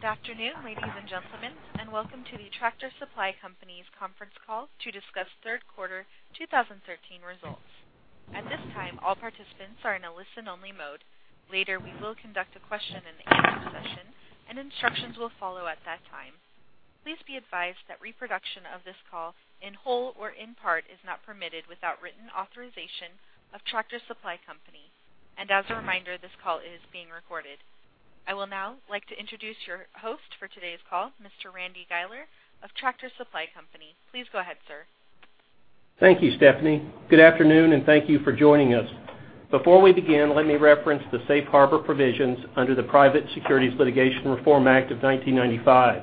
Good afternoon, ladies and gentlemen, and welcome to the Tractor Supply Company's conference call to discuss third-quarter 2013 results. At this time, all participants are in a listen-only mode. Later, we will conduct a question and answer session, and instructions will follow at that time. Please be advised that reproduction of this call, in whole or in part, is not permitted without written authorization of Tractor Supply Company. As a reminder, this call is being recorded. I will now like to introduce your host for today's call, Mr. Randy Guiler of Tractor Supply Company. Please go ahead, sir. Thank you, Stephanie. Good afternoon, and thank you for joining us. Before we begin, let me reference the safe harbor provisions under the Private Securities Litigation Reform Act of 1995.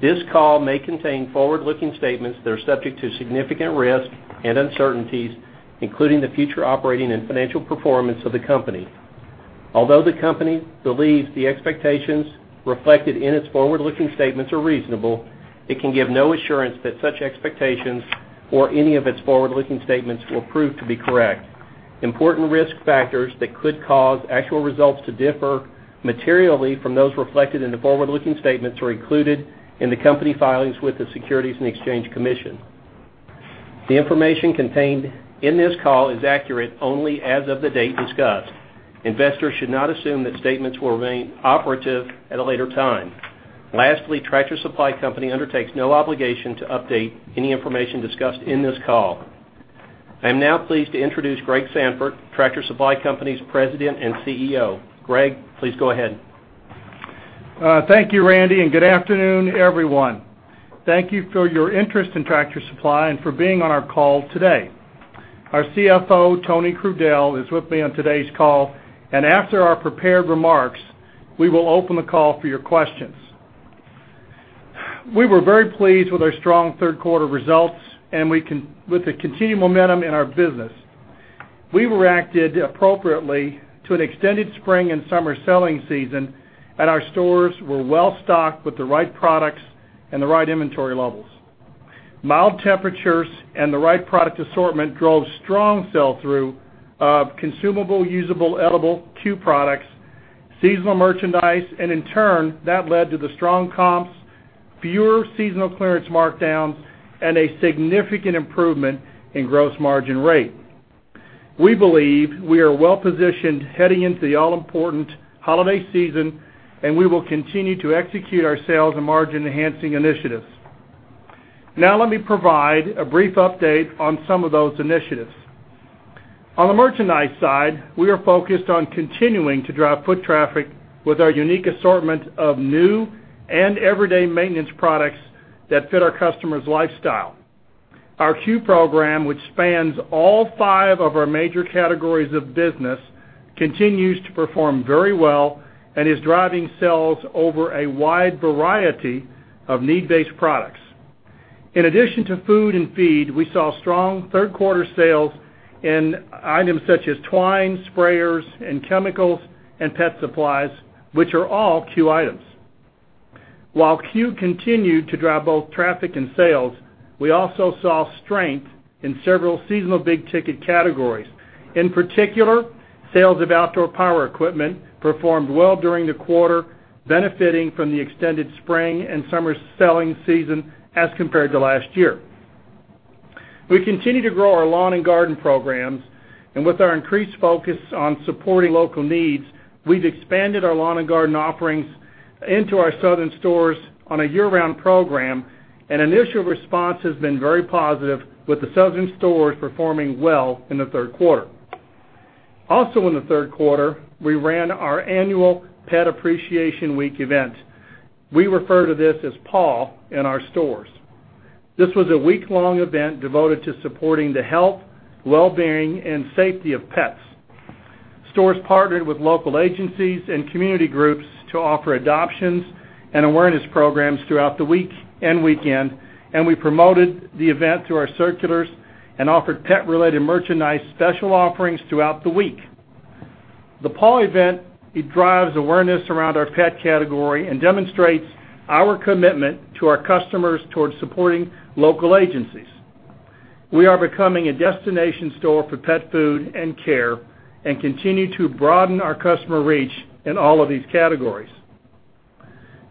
This call may contain forward-looking statements that are subject to significant risks and uncertainties, including the future operating and financial performance of the company. Although the company believes the expectations reflected in its forward-looking statements are reasonable, it can give no assurance that such expectations or any of its forward-looking statements will prove to be correct. Important risk factors that could cause actual results to differ materially from those reflected in the forward-looking statements are included in the company filings with the Securities and Exchange Commission. The information contained in this call is accurate only as of the date discussed. Investors should not assume that statements will remain operative at a later time. Lastly, Tractor Supply Company undertakes no obligation to update any information discussed in this call. I am now pleased to introduce Greg Sandfort, Tractor Supply Company's President and CEO. Greg, please go ahead. Thank you, Randy, and good afternoon, everyone. Thank you for your interest in Tractor Supply and for being on our call today. Our CFO, Tony Crudele, is with me on today's call, and after our prepared remarks, we will open the call for your questions. We were very pleased with our strong third-quarter results and with the continued momentum in our business. We reacted appropriately to an extended spring and summer selling season, and our stores were well-stocked with the right products and the right inventory levels. Mild temperatures and the right product assortment drove strong sell-through of consumable, usable, edible CUE products, seasonal merchandise, and in turn, that led to the strong comps, fewer seasonal clearance markdowns, and a significant improvement in gross margin rate. We believe we are well-positioned heading into the all-important holiday season, and we will continue to execute our sales and margin-enhancing initiatives. Let me provide a brief update on some of those initiatives. On the merchandise side, we are focused on continuing to drive foot traffic with our unique assortment of new and everyday maintenance products that fit our customers' lifestyle. Our CUE program, which spans all five of our major categories of business, continues to perform very well and is driving sales over a wide variety of need-based products. In addition to food and feed, we saw strong third-quarter sales in items such as twine, sprayers, and chemicals and pet supplies, which are all CUE items. While CUE continued to drive both traffic and sales, we also saw strength in several seasonal big-ticket categories. In particular, sales of outdoor power equipment performed well during the quarter, benefiting from the extended spring and summer selling season as compared to last year. We continue to grow our lawn and garden programs, and with our increased focus on supporting local needs, we've expanded our lawn and garden offerings into our Southern stores on a year-round program. Initial response has been very positive, with the Southern stores performing well in the third-quarter. Also in the third-quarter, we ran our annual Pet Appreciation Week event. We refer to this as PAW in our stores. This was a week-long event devoted to supporting the health, well-being, and safety of pets. Stores partnered with local agencies and community groups to offer adoptions and awareness programs throughout the week and weekend, and we promoted the event through our circulars and offered pet-related merchandise special offerings throughout the week. The PAW event drives awareness around our pet category and demonstrates our commitment to our customers towards supporting local agencies. We are becoming a destination store for pet food and care and continue to broaden our customer reach in all of these categories.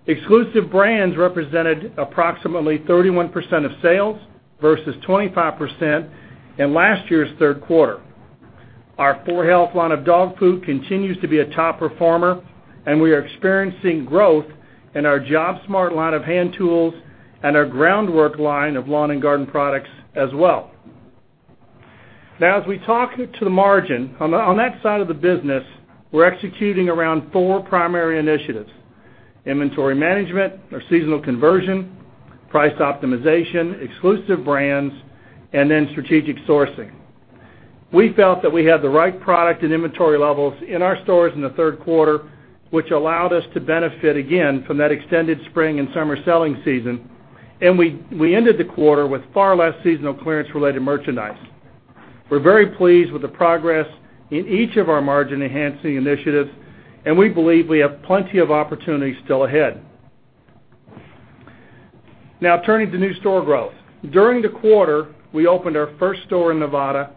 Exclusive brands represented approximately 31% of sales versus 25% in last year's third-quarter. Our 4health line of dog food continues to be a top performer, and we are experiencing growth in our JobSmart line of hand tools and our Groundwork line of lawn and garden products as well. As we talk to the margin, on that side of the business, we're executing around four primary initiatives: inventory management or seasonal conversion, price optimization, exclusive brands, and then strategic sourcing. We felt that we had the right product and inventory levels in our stores in the third-quarter, which allowed us to benefit again from that extended spring and summer selling season, and we ended the quarter with far less seasonal clearance-related merchandise. We're very pleased with the progress in each of our margin-enhancing initiatives, and we believe we have plenty of opportunities still ahead. Turning to new store growth. During the quarter, we opened our first store in Nevada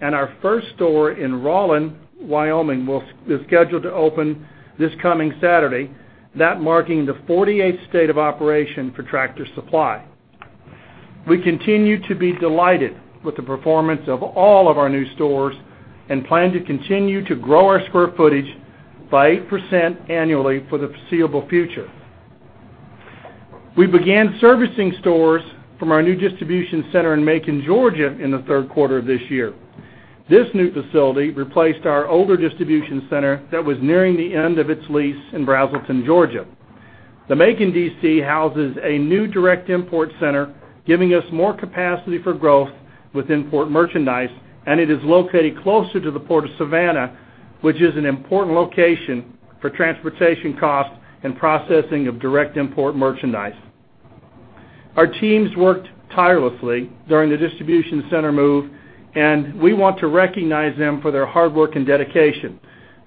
and our first store in Rawlins, Wyoming is scheduled to open this coming Saturday, that marking the 48th state of operation for Tractor Supply. We continue to be delighted with the performance of all of our new stores and plan to continue to grow our square footage by 8% annually for the foreseeable future. We began servicing stores from our new distribution center in Macon, Georgia in the third-quarter of this year. This new facility replaced our older distribution center that was nearing the end of its lease in Braselton, Georgia. The Macon DC houses a new direct import center, giving us more capacity for growth with import merchandise, and it is located closer to the Port of Savannah, which is an important location for transportation costs and processing of direct import merchandise. Our teams worked tirelessly during the distribution center move, and we want to recognize them for their hard work and dedication.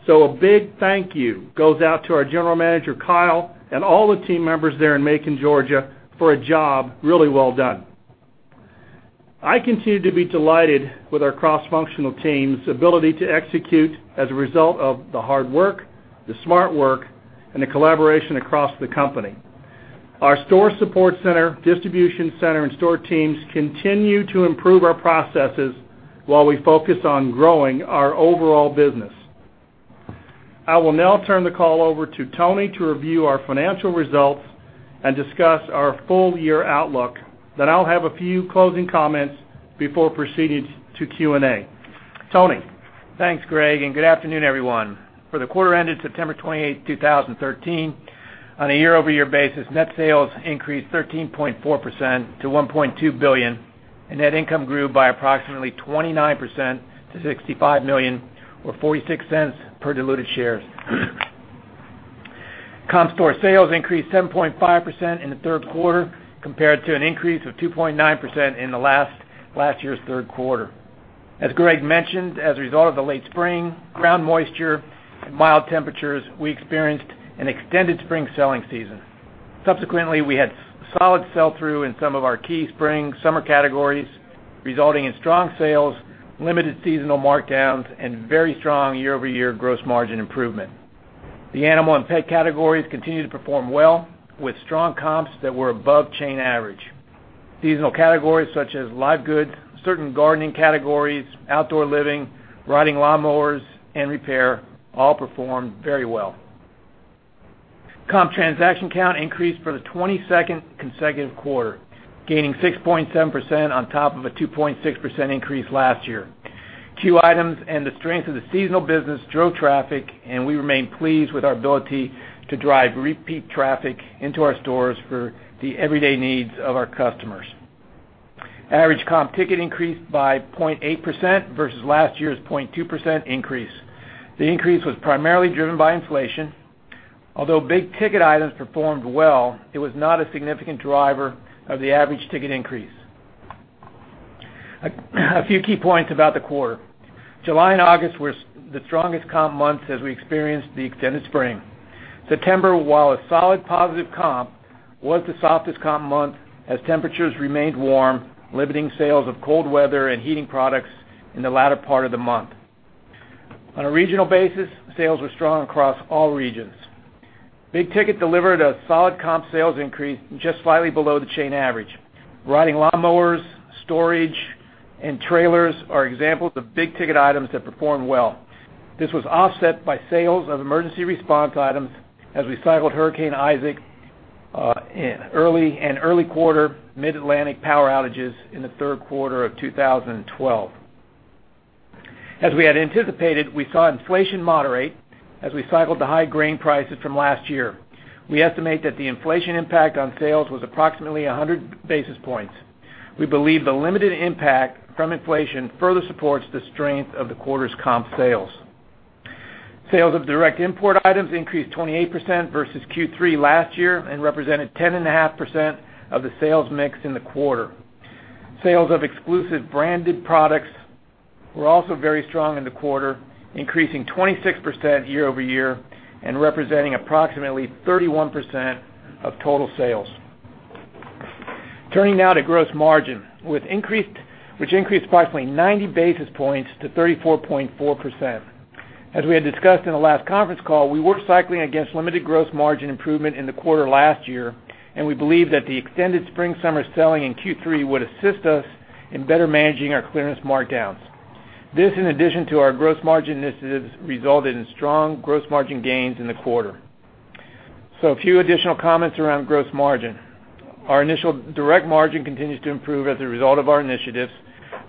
A big thank you goes out to our general manager, Kyle, and all the team members there in Macon, Georgia for a job really well done. I continue to be delighted with our cross-functional team's ability to execute as a result of the hard work, the smart work, and the collaboration across the company. Our store support center, distribution center, and store teams continue to improve our processes while we focus on growing our overall business. I will now turn the call over to Tony to review our financial results and discuss our full-year outlook. I'll have a few closing comments before proceeding to Q&A. Tony? Thanks, Greg, and good afternoon, everyone. For the quarter ended September 28, 2013, on a year-over-year basis, net sales increased 13.4% to $1.2 billion, and net income grew by approximately 29% to $65 million, or $0.46 per diluted shares. Comp store sales increased 7.5% in the third quarter compared to an increase of 2.9% in last year's third quarter. As Greg mentioned, as a result of the late spring, ground moisture, and mild temperatures, we experienced an extended spring selling season. Subsequently, we had solid sell-through in some of our key spring-summer categories, resulting in strong sales, limited seasonal markdowns, and very strong year-over-year gross margin improvement. The animal and pet categories continued to perform well with strong comps that were above chain average. Seasonal categories such as live goods, certain gardening categories, outdoor living, riding lawn mowers, and repair all performed very well. Comp transaction count increased for the 22nd consecutive quarter, gaining 6.7% on top of a 2.6% increase last year. CUE items and the strength of the seasonal business drove traffic, and we remain pleased with our ability to drive repeat traffic into our stores for the everyday needs of our customers. Average comp ticket increased by 0.8% versus last year's 0.2% increase. The increase was primarily driven by inflation. Although big-ticket items performed well, it was not a significant driver of the average ticket increase. A few key points about the quarter. July and August were the strongest comp months as we experienced the extended spring. September, while a solid positive comp, was the softest comp month as temperatures remained warm, limiting sales of cold weather and heating products in the latter part of the month. On a regional basis, sales were strong across all regions. Big ticket delivered a solid comp sales increase just slightly below the chain average. Riding lawn mowers, storage, and trailers are examples of big-ticket items that performed well. This was offset by sales of emergency response items as we cycled Hurricane Isaac and early quarter Mid-Atlantic power outages in the third quarter of 2012. As we had anticipated, we saw inflation moderate as we cycled the high grain prices from last year. We estimate that the inflation impact on sales was approximately 100 basis points. We believe the limited impact from inflation further supports the strength of the quarter's comp sales. Sales of direct import items increased 28% versus Q3 last year and represented 10.5% of the sales mix in the quarter. Sales of exclusive branded products were also very strong in the quarter, increasing 26% year-over-year and representing approximately 31% of total sales. Turning now to gross margin, which increased by 90 basis points to 34.4%. As we had discussed in the last conference call, we were cycling against limited gross margin improvement in the quarter last year, and we believe that the extended spring-summer selling in Q3 would assist us in better managing our clearance markdowns. This, in addition to our gross margin initiatives, resulted in strong gross margin gains in the quarter. A few additional comments around gross margin. Our initial direct margin continues to improve as a result of our initiatives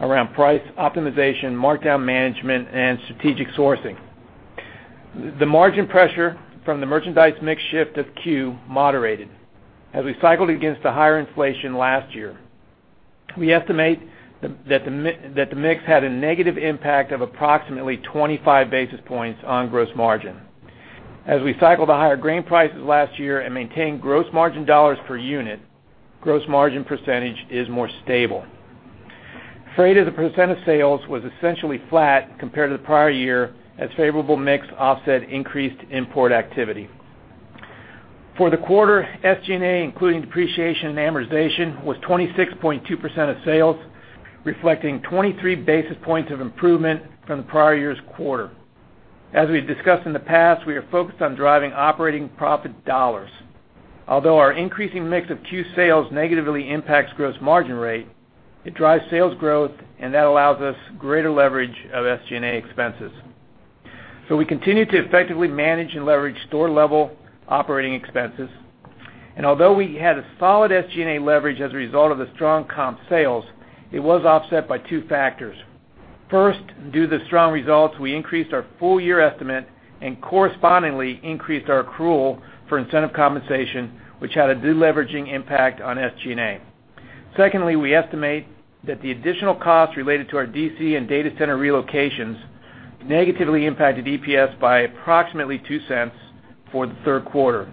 around price optimization, markdown management, and strategic sourcing. The margin pressure from the merchandise mix shift of Q moderated as we cycled against the higher inflation last year. We estimate that the mix had a negative impact of approximately 25 basis points on gross margin. As we cycle the higher grain prices last year and maintain gross margin dollars per unit, gross margin % is more stable. Freight as a % of sales was essentially flat compared to the prior year as favorable mix offset increased import activity. For the quarter, SG&A, including depreciation and amortization, was 26.2% of sales, reflecting 23 basis points of improvement from the prior year's quarter. As we've discussed in the past, we are focused on driving operating profit dollars. Although our increasing mix of CUE sales negatively impacts gross margin rate, it drives sales growth, and that allows us greater leverage of SG&A expenses. We continue to effectively manage and leverage store-level operating expenses. Although we had a solid SG&A leverage as a result of the strong comp sales, it was offset by two factors. First, due to the strong results, we increased our full-year estimate and correspondingly increased our accrual for incentive compensation, which had a deleveraging impact on SG&A. Secondly, we estimate that the additional costs related to our DC and data center relocations negatively impacted EPS by approximately $0.02 for the third quarter.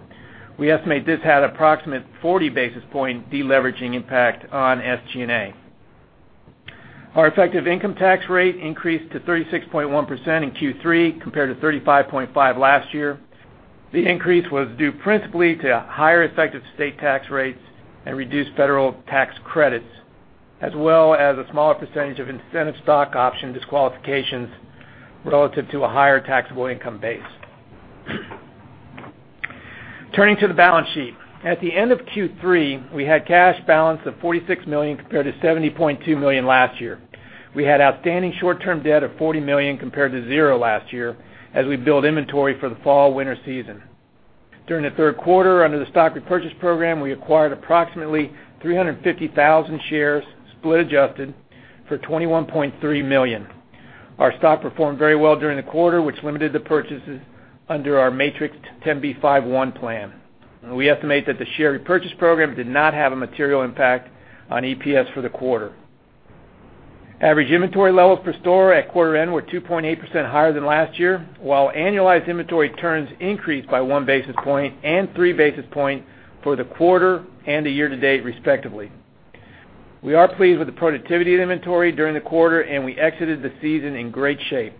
We estimate this had approximate 40 basis points deleveraging impact on SG&A. Our effective income tax rate increased to 36.1% in Q3 compared to 35.5% last year. The increase was due principally to higher effective state tax rates and reduced federal tax credits, as well as a smaller % of incentive stock option disqualifications relative to a higher taxable income base. Turning to the balance sheet. At the end of Q3, we had cash balance of $46 million compared to $70.2 million last year. We had outstanding short-term debt of $40 million compared to zero last year as we build inventory for the fall/winter season. During the third quarter, under the stock repurchase program, we acquired approximately 350,000 shares, split adjusted, for $21.3 million. Our stock performed very well during the quarter, which limited the purchases under our 10b5-1 plan. We estimate that the share repurchase program did not have a material impact on EPS for the quarter. Average inventory levels per store at quarter end were 2.8% higher than last year, while annualized inventory turns increased by one basis point and three basis points for the quarter and the year-to-date, respectively. We are pleased with the productivity of the inventory during the quarter, and we exited the season in great shape.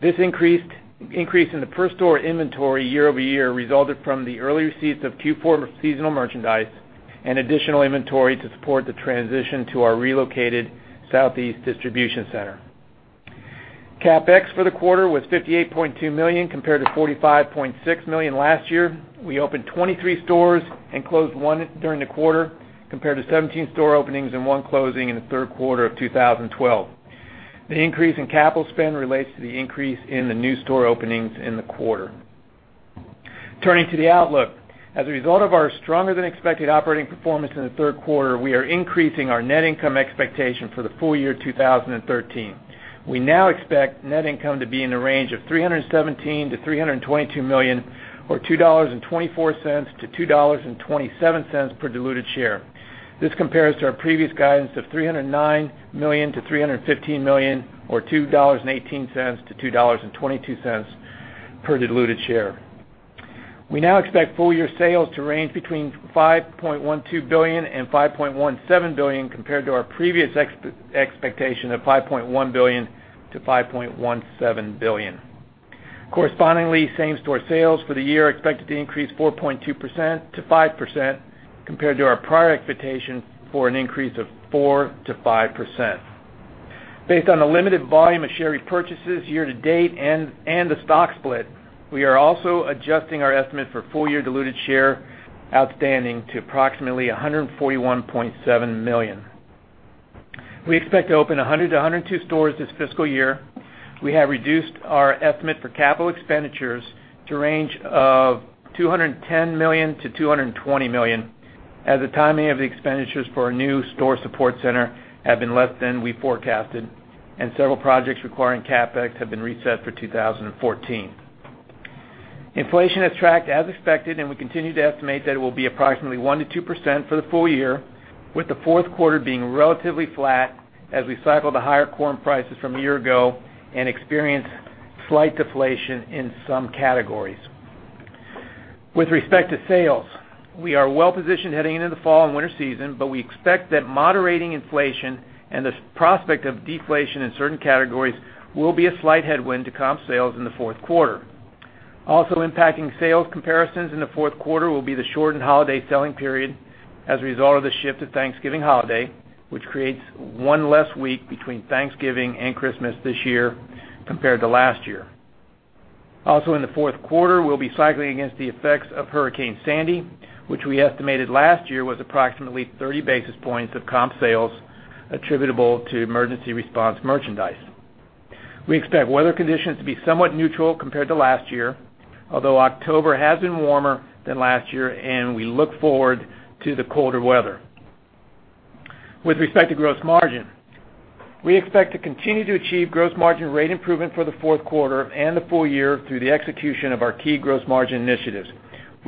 This increase in the per store inventory year-over-year resulted from the early receipts of Q4 seasonal merchandise and additional inventory to support the transition to our relocated southeast distribution center. CapEx for the quarter was $58.2 million, compared to $45.6 million last year. We opened 23 stores and closed one during the quarter, compared to 17 store openings and one closing in the third quarter of 2012. The increase in capital spend relates to the increase in the new store openings in the quarter. Turning to the outlook. As a result of our stronger than expected operating performance in the third quarter, we are increasing our net income expectation for the full year 2013. We now expect net income to be in the range of $317 million-$322 million, or $2.24-$2.27 per diluted share. This compares to our previous guidance of $309 million-$315 million or $2.18-$2.22 per diluted share. We now expect full-year sales to range between $5.12 billion and $5.17 billion compared to our previous expectation of $5.1 billion-$5.17 billion. Correspondingly, same-store sales for the year are expected to increase 4.2%-5% compared to our prior expectation for an increase of 4%-5%. Based on the limited volume of share repurchases year-to-date and the stock split, we are also adjusting our estimate for full-year diluted share outstanding to approximately 141.7 million. We expect to open 100-102 stores this fiscal year. We have reduced our estimate for capital expenditures to range of $210 million-$220 million as the timing of the expenditures for our new store support center have been less than we forecasted, and several projects requiring CapEx have been reset for 2014. Inflation has tracked as expected. We continue to estimate that it will be approximately 1%-2% for the full year, with the fourth quarter being relatively flat as we cycle the higher corn prices from a year ago and experience slight deflation in some categories. With respect to sales, we are well-positioned heading into the fall and winter season. We expect that moderating inflation and the prospect of deflation in certain categories will be a slight headwind to comp sales in the fourth quarter. Also impacting sales comparisons in the fourth quarter will be the shortened holiday selling period as a result of the shift of Thanksgiving holiday, which creates one less week between Thanksgiving and Christmas this year compared to last year. Also in the fourth quarter, we'll be cycling against the effects of Hurricane Sandy, which we estimated last year was approximately 30 basis points of comp sales attributable to emergency response merchandise. We expect weather conditions to be somewhat neutral compared to last year, although October has been warmer than last year, and we look forward to the colder weather. With respect to gross margin, we expect to continue to achieve gross margin rate improvement for the fourth quarter and the full year through the execution of our key gross margin initiatives.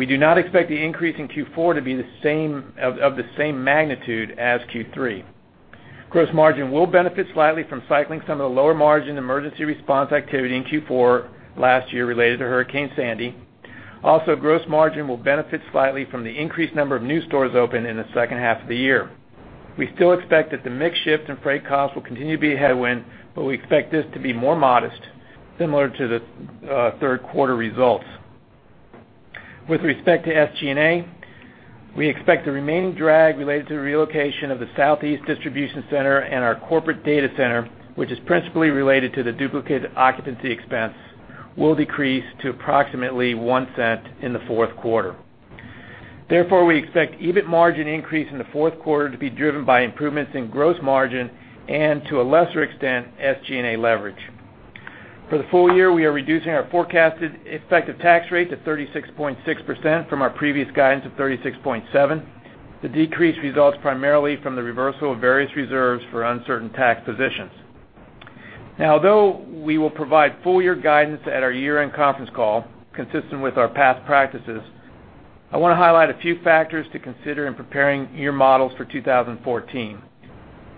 We do not expect the increase in Q4 to be of the same magnitude as Q3. Gross margin will benefit slightly from cycling some of the lower margin emergency response activity in Q4 last year related to Hurricane Sandy. Also, gross margin will benefit slightly from the increased number of new stores open in the second half of the year. We still expect that the mix shift in freight costs will continue to be a headwind, but we expect this to be more modest, similar to the third quarter results. With respect to SG&A, we expect the remaining drag related to the relocation of the southeast distribution center and our corporate data center, which is principally related to the duplicated occupancy expense, will decrease to approximately $0.01 in the fourth quarter. Therefore, we expect EBIT margin increase in the fourth quarter to be driven by improvements in gross margin and, to a lesser extent, SG&A leverage. For the full year, we are reducing our forecasted effective tax rate to 36.6% from our previous guidance of 36.7%. Although we will provide full year guidance at our year-end conference call, consistent with our past practices, I want to highlight a few factors to consider in preparing year models for 2014.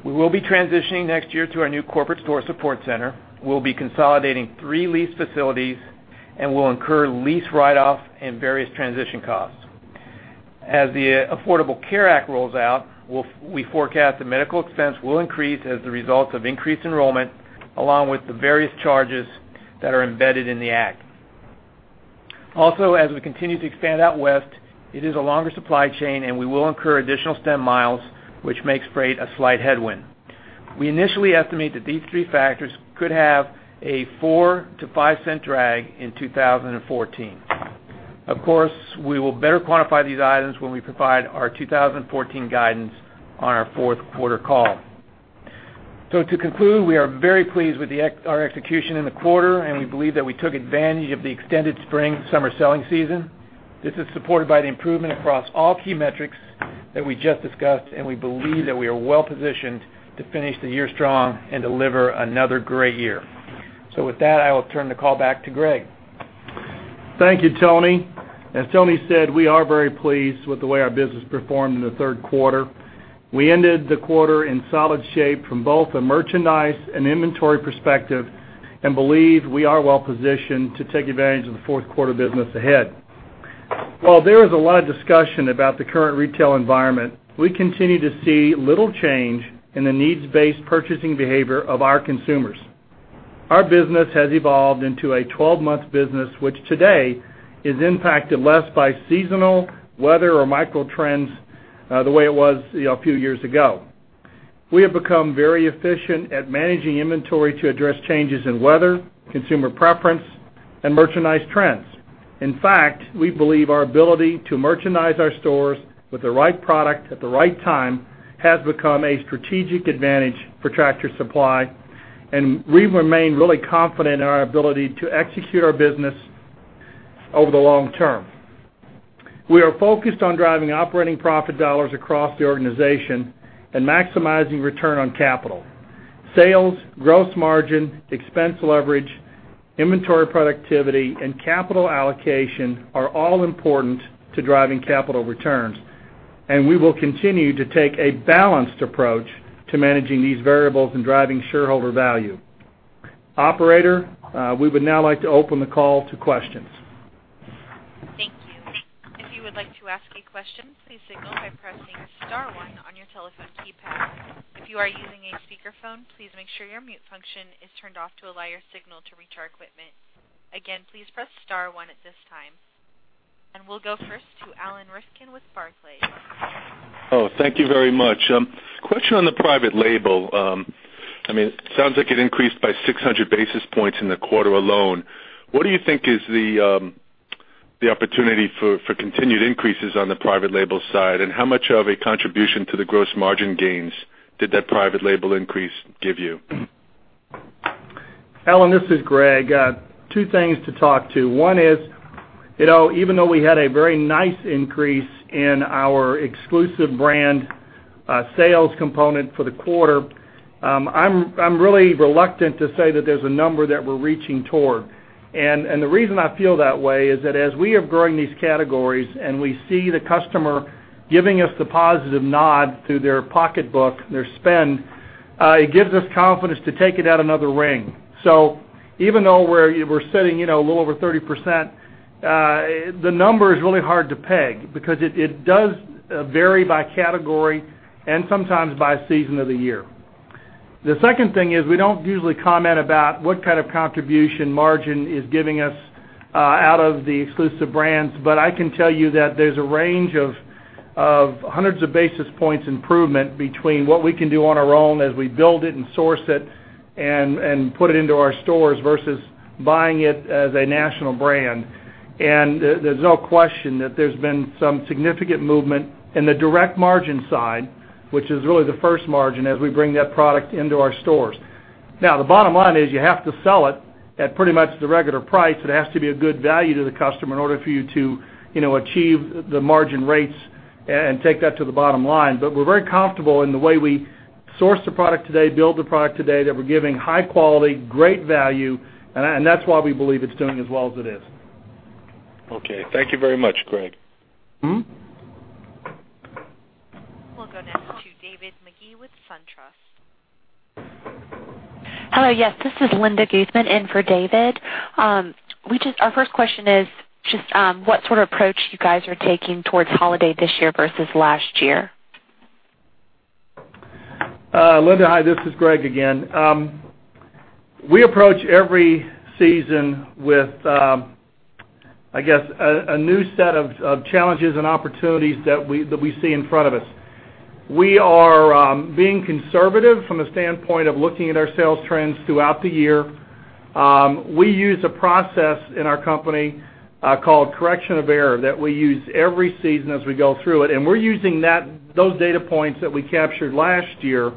We will be transitioning next year to our new Corporate Store Support Center. We'll be consolidating three lease facilities and will incur lease write-offs and various transition costs. As the Affordable Care Act rolls out, we forecast the medical expense will increase as the result of increased enrollment, along with the various charges that are embedded in the act. Also, as we continue to expand out west, it is a longer supply chain, and we will incur additional stem miles, which makes freight a slight headwind. We initially estimate that these three factors could have a $0.04-$0.05 drag in 2014. Of course, we will better quantify these items when we provide our 2014 guidance on our fourth quarter call. To conclude, we are very pleased with our execution in the quarter, and we believe that we took advantage of the extended spring-summer selling season. This is supported by the improvement across all key metrics that we just discussed, and we believe that we are well-positioned to finish the year strong and deliver another great year. With that, I will turn the call back to Greg. Thank you, Tony. As Tony said, we are very pleased with the way our business performed in the third quarter. We ended the quarter in solid shape from both a merchandise and inventory perspective and believe we are well-positioned to take advantage of the fourth quarter business ahead. While there is a lot of discussion about the current retail environment, we continue to see little change in the needs-based purchasing behavior of our consumers. Our business has evolved into a 12-month business, which today is impacted less by seasonal weather or microtrends the way it was a few years ago. We have become very efficient at managing inventory to address changes in weather, consumer preference, and merchandise trends. In fact, we believe our ability to merchandise our stores with the right product at the right time has become a strategic advantage for Tractor Supply, we remain really confident in our ability to execute our business over the long term. We are focused on driving operating profit dollars across the organization and maximizing return on capital. Sales, gross margin, expense leverage, inventory productivity, and capital allocation are all important to driving capital returns, we will continue to take a balanced approach to managing these variables and driving shareholder value. Operator, we would now like to open the call to questions. Thank you. If you would like to ask a question, please signal by pressing *1 on your telephone keypad. If you are using a speakerphone, please make sure your mute function is turned off to allow your signal to reach our equipment. Again, please press *1 at this time. We'll go first to Alan Rifkin with Barclays. Thank you very much. Question on the private label. It sounds like it increased by 600 basis points in the quarter alone. What do you think is the opportunity for continued increases on the private label side, how much of a contribution to the gross margin gains did that private label increase give you? Alan, this is Greg. Two things to talk to. One is, even though we had a very nice increase in our exclusive brand sales component for the quarter, I'm really reluctant to say that there's a number that we're reaching toward. The reason I feel that way is that as we are growing these categories and we see the customer giving us the positive nod through their pocketbook, their spend, it gives us confidence to take it out another ring. Even though we're sitting a little over 30%, the number is really hard to peg because it does vary by category and sometimes by season of the year. The second thing is, we don't usually comment about what kind of contribution margin is giving us out of the exclusive brands, but I can tell you that there's a range of hundreds of basis points improvement between what we can do on our own as we build it and source it and put it into our stores versus buying it as a national brand. There's no question that there's been some significant movement in the direct margin side, which is really the first margin as we bring that product into our stores. Now, the bottom line is you have to sell it at pretty much the regular price. It has to be a good value to the customer in order for you to achieve the margin rates and take that to the bottom line. We're very comfortable in the way we source the product today, build the product today, that we're giving high quality, great value, and that's why we believe it's doing as well as it is. Okay. Thank you very much, Greg. We'll go next to David Magee with SunTrust. Hello. Yes, this is Linda Guzman in for David. Our first question is just what sort of approach you guys are taking towards holiday this year versus last year? Linda, hi, this is Greg again. We approach every season with, I guess, a new set of challenges and opportunities that we see in front of us. We are being conservative from the standpoint of looking at our sales trends throughout the year. We use a process in our company called Correction of Error that we use every season as we go through it. We're using those data points that we captured last year,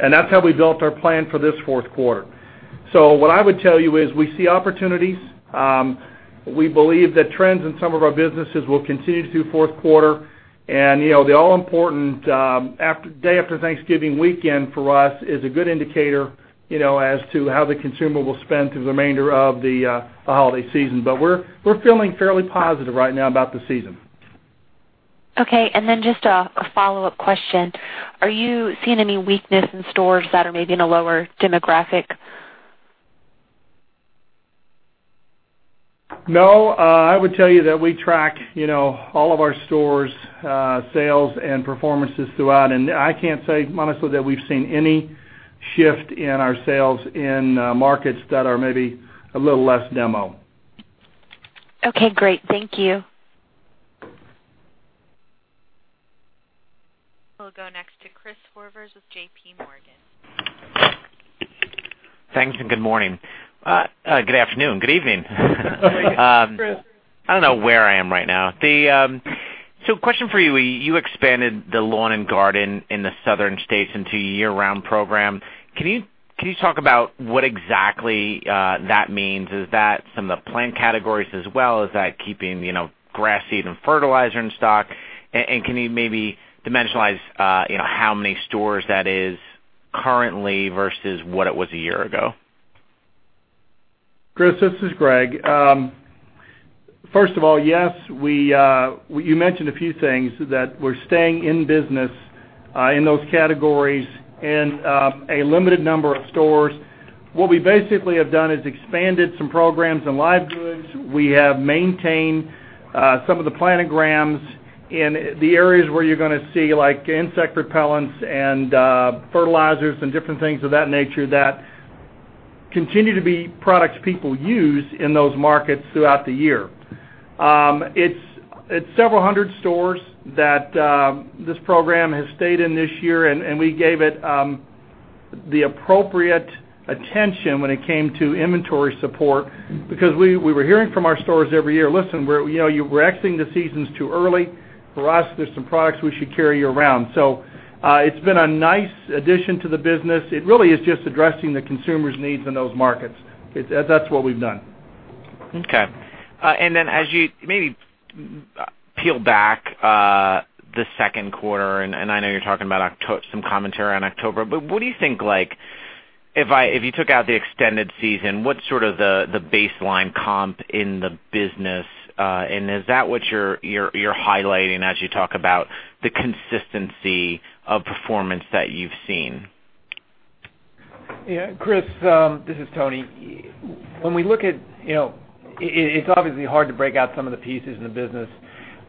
and that's how we built our plan for this fourth quarter. What I would tell you is we see opportunities. We believe that trends in some of our businesses will continue through fourth quarter. The all-important day after Thanksgiving weekend for us is a good indicator as to how the consumer will spend through the remainder of the holiday season. We're feeling fairly positive right now about the season. Okay. Just a follow-up question. Are you seeing any weakness in stores that are maybe in a lower demographic? No. I would tell you that we track all of our stores' sales and performances throughout, and I can't say honestly that we've seen any shift in our sales in markets that are maybe a little less demo. Okay, great. Thank you. We'll go next to Chris Horvers with J.P. Morgan. Thanks, and good morning. Good afternoon. Good evening. Good evening, Chris. I don't know where I am right now. Question for you. You expanded the lawn and garden in the southern states into a year-round program. Can you talk about what exactly that means? Is that some of the plant categories as well? Is that keeping grass seed and fertilizer in stock? Can you maybe dimensionalize how many stores that is currently versus what it was a year ago? Chris, this is Greg. First of all, yes. You mentioned a few things that we're staying in business in those categories in a limited number of stores. What we basically have done is expanded some programs in live goods. We have maintained some of the plant programs in the areas where you're going to see like insect repellents and fertilizers and different things of that nature that continue to be products people use in those markets throughout the year. It's several hundred stores that this program has stayed in this year, and we gave it the appropriate attention when it came to inventory support because we were hearing from our stores every year, "Listen, you're exiting the seasons too early. For us, there's some products we should carry year-round." It's been a nice addition to the business. It really is just addressing the consumer's needs in those markets. That's what we've done. Okay. As you maybe peel back the Q2, I know you're talking about some commentary on October, what do you think, like if you took out the extended season, what's sort of the baseline comp in the business? Is that what you're highlighting as you talk about the consistency of performance that you've seen? Yeah, Chris, this is Tony. It's obviously hard to break out some of the pieces in the business.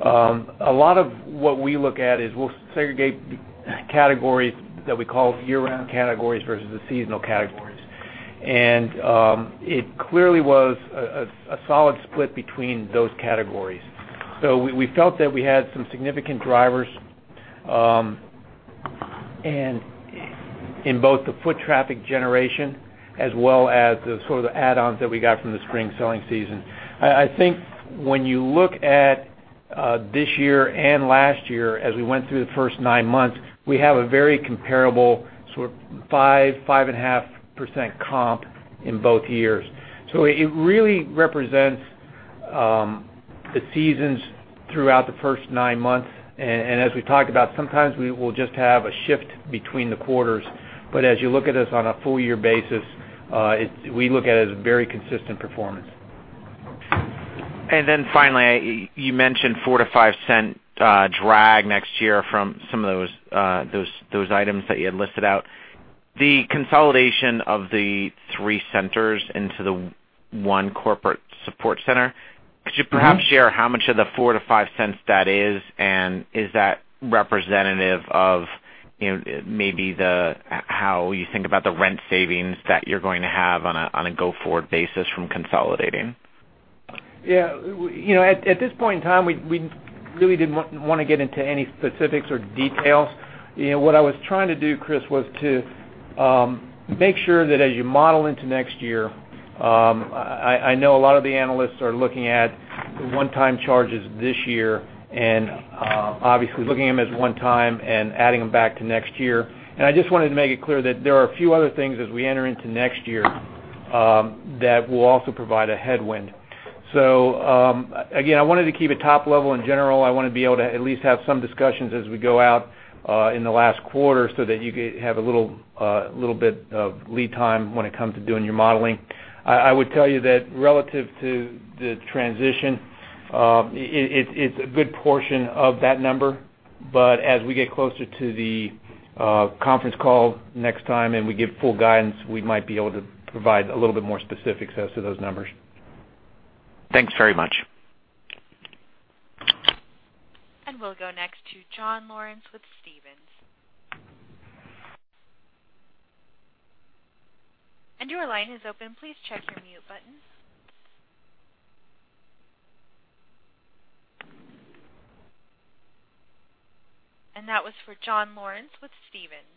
A lot of what we look at is we'll segregate categories that we call year-round categories versus the seasonal categories. It clearly was a solid split between those categories. We felt that we had some significant drivers and in both the foot traffic generation as well as the sort of the add-ons that we got from the spring selling season. I think when you look at this year and last year, as we went through the first nine months, we have a very comparable sort of 5%-5.5% comp in both years. It really represents the seasons throughout the first nine months. As we talked about, sometimes we will just have a shift between the quarters, as you look at us on a full year basis, we look at it as a very consistent performance. Finally, you mentioned $0.04-$0.05 drag next year from some of those items that you had listed out. The consolidation of the three centers into the one corporate support center, could you perhaps share how much of the $0.04-$0.05 that is? Is that representative of maybe how you think about the rent savings that you're going to have on a go-forward basis from consolidating? Yeah. At this point in time, we really didn't want to get into any specifics or details. What I was trying to do, Chris, was to make sure that as you model into next year, I know a lot of the analysts are looking at one-time charges this year and obviously looking at them as one time and adding them back to next year. I just wanted to make it clear that there are a few other things as we enter into next year that will also provide a headwind. Again, I wanted to keep it top level in general. I want to be able to at least have some discussions as we go out in the last quarter so that you could have a little bit of lead time when it comes to doing your modeling. I would tell you that relative to the transition, it's a good portion of that number. As we get closer to the conference call next time and we give full guidance, we might be able to provide a little bit more specifics as to those numbers. Thanks very much. We'll go next to John Lawrence with Stephens. Your line is open. Please check your mute button. That was for John Lawrence with Stephens.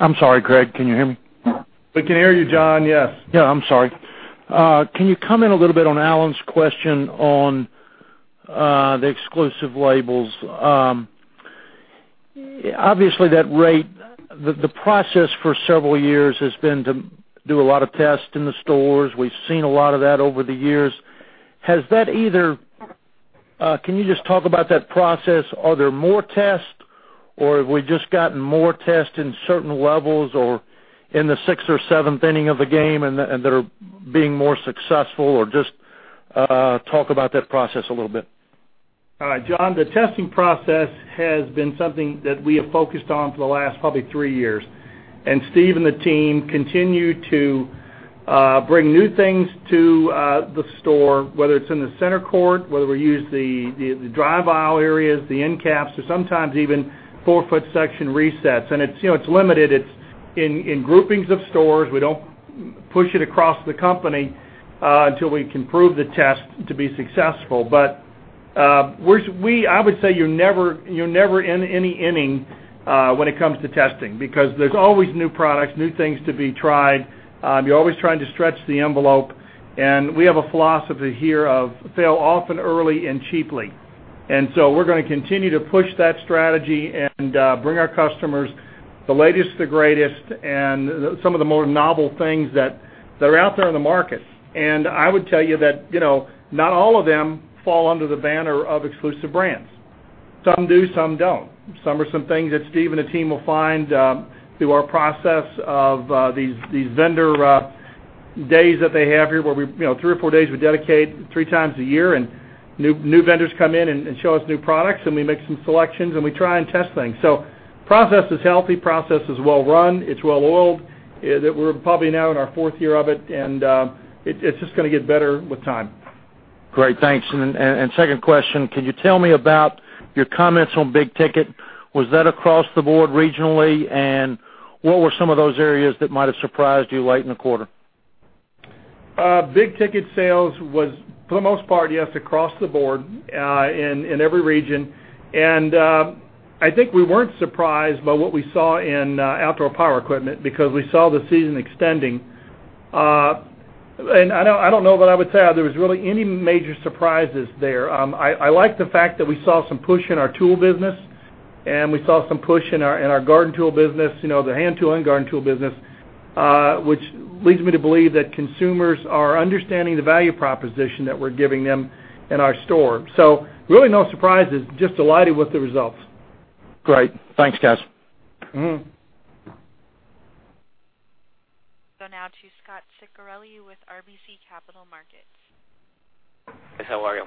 I'm sorry, Greg, can you hear me? We can hear you, John. Yes. Yeah, I'm sorry. Can you comment a little bit on Alan's question on the exclusive labels? Obviously, the process for several years has been to do a lot of tests in the stores. We've seen a lot of that over the years. Can you just talk about that process? Are there more tests, or have we just gotten more tests in certain levels or in the sixth or seventh inning of the game, and that are being more successful or just talk about that process a little bit. All right, John, the testing process has been something that we have focused on for the last probably three years. Steve and the team continue to bring new things to the store, whether it's in the center court, whether we use the dry aisle areas, the end caps, or sometimes even four-foot section resets. It's limited. It's in groupings of stores. We don't push it across the company until we can prove the test to be successful. I would say you're never in any inning when it comes to testing because there's always new products, new things to be tried. You're always trying to stretch the envelope. We have a philosophy here of fail often early and cheaply. We're going to continue to push that strategy and bring our customers the latest, the greatest, and some of the more novel things that are out there in the market. I would tell you that not all of them fall under the banner of exclusive brands. Some do, some don't. Some are things that Steve and the team will find through our process of these vendor days that they have here, where three or four days we dedicate three times a year and new vendors come in and show us new products and we make some selections and we try and test things. Process is healthy, process is well run, it's well-oiled. We're probably now in our fourth year of it's just going to get better with time. Great. Thanks. Second question, can you tell me about your comments on big ticket? Was that across the board regionally, what were some of those areas that might have surprised you late in the quarter? Big ticket sales was, for the most part, yes, across the board, in every region. I think we weren't surprised by what we saw in outdoor power equipment because we saw the season extending. I don't know, but I would say there was really any major surprises there. I like the fact that we saw some push in our tool business, and we saw some push in our garden tool business, the hand tool and garden tool business, which leads me to believe that consumers are understanding the value proposition that we're giving them in our store. Really, no surprises, just delighted with the results. Great. Thanks, guys. Go now to Scot Ciccarelli with RBC Capital Markets. How are you?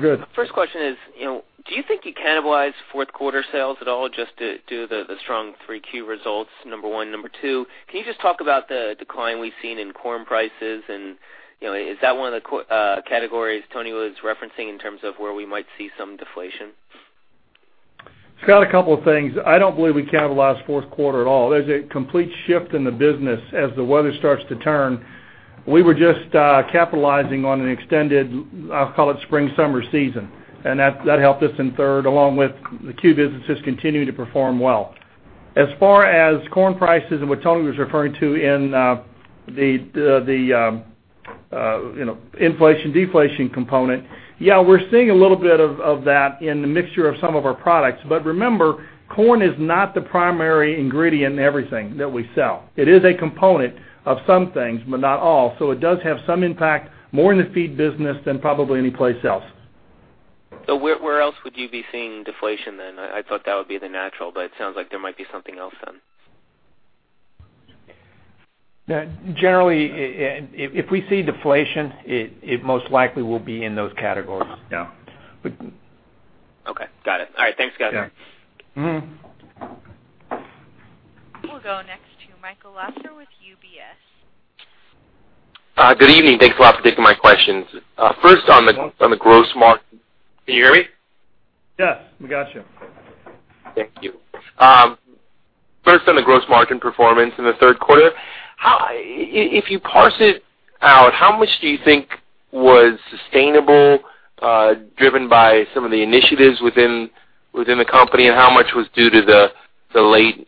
Good. First question is, do you think you cannibalized fourth quarter sales at all just due to the strong three Q results? Number one. Number two, can you just talk about the decline we've seen in corn prices, and is that one of the categories Tony was referencing in terms of where we might see some deflation? Scot, a couple of things. I don't believe we cannibalized fourth quarter at all. There's a complete shift in the business as the weather starts to turn. We were just capitalizing on an extended, I'll call it spring, summer season. That helped us in third, along with the CUE businesses continuing to perform well. As far as corn prices and what Tony was referring to in the inflation-deflation component, yeah, we're seeing a little bit of that in the mixture of some of our products. Remember, corn is not the primary ingredient in everything that we sell. It is a component of some things, but not all. It does have some impact more in the feed business than probably any place else. Where else would you be seeing deflation then? I thought that would be the natural, it sounds like there might be something else then. Generally, if we see deflation, it most likely will be in those categories. Okay. Got it. All right. Thanks, guys. Yeah. Mm-hmm. We'll go next to Michael Lasser with UBS. Good evening. Thanks a lot for taking my questions. Can you hear me? Yes, we got you. Thank you. First on the gross margin performance in the third quarter. If you parse it out, how much do you think was sustainable, driven by some of the initiatives within the company, and how much was due to the late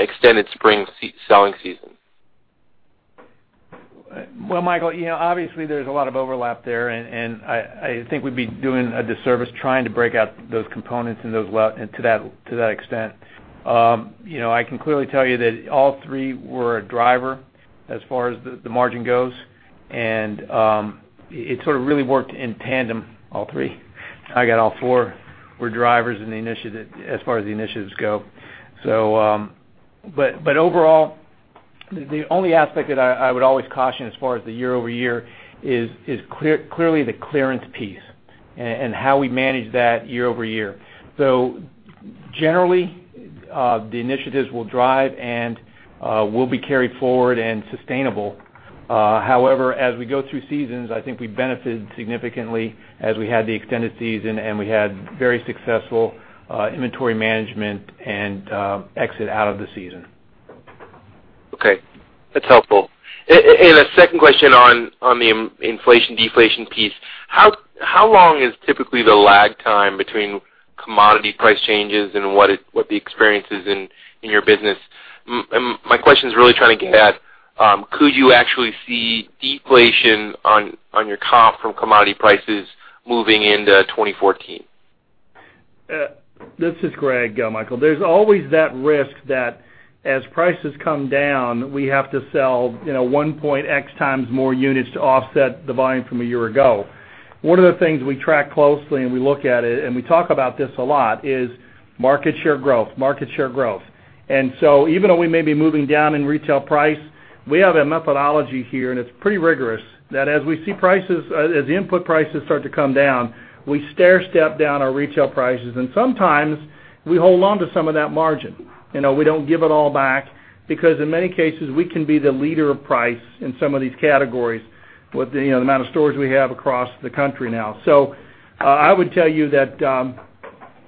extended spring selling season? Michael, obviously, there's a lot of overlap there. I think we'd be doing a disservice trying to break out those components to that extent. I can clearly tell you that all three were a driver as far as the margin goes. It sort of really worked in tandem, all three. I got all four were drivers as far as the initiatives go. The only aspect that I would always caution as far as the year-over-year is clearly the clearance piece and how we manage that year-over-year. Generally, the initiatives will drive and will be carried forward and sustainable. As we go through seasons, I think we benefited significantly as we had the extended season and we had very successful inventory management and exit out of the season. Okay, that's helpful. A second question on the inflation deflation piece, how long is typically the lag time between commodity price changes and what the experience is in your business? My question is really trying to get at, could you actually see deflation on your comp from commodity prices moving into 2014? This is Greg, Michael. There's always that risk that as prices come down, we have to sell one point x times more units to offset the volume from a year ago. One of the things we track closely, and we look at it, and we talk about this a lot, is market share growth. Even though we may be moving down in retail price, we have a methodology here, and it's pretty rigorous, that as the input prices start to come down, we stairstep down our retail prices. Sometimes we hold on to some of that margin. We don't give it all back because in many cases, we can be the leader of price in some of these categories with the amount of stores we have across the country now. I would tell you that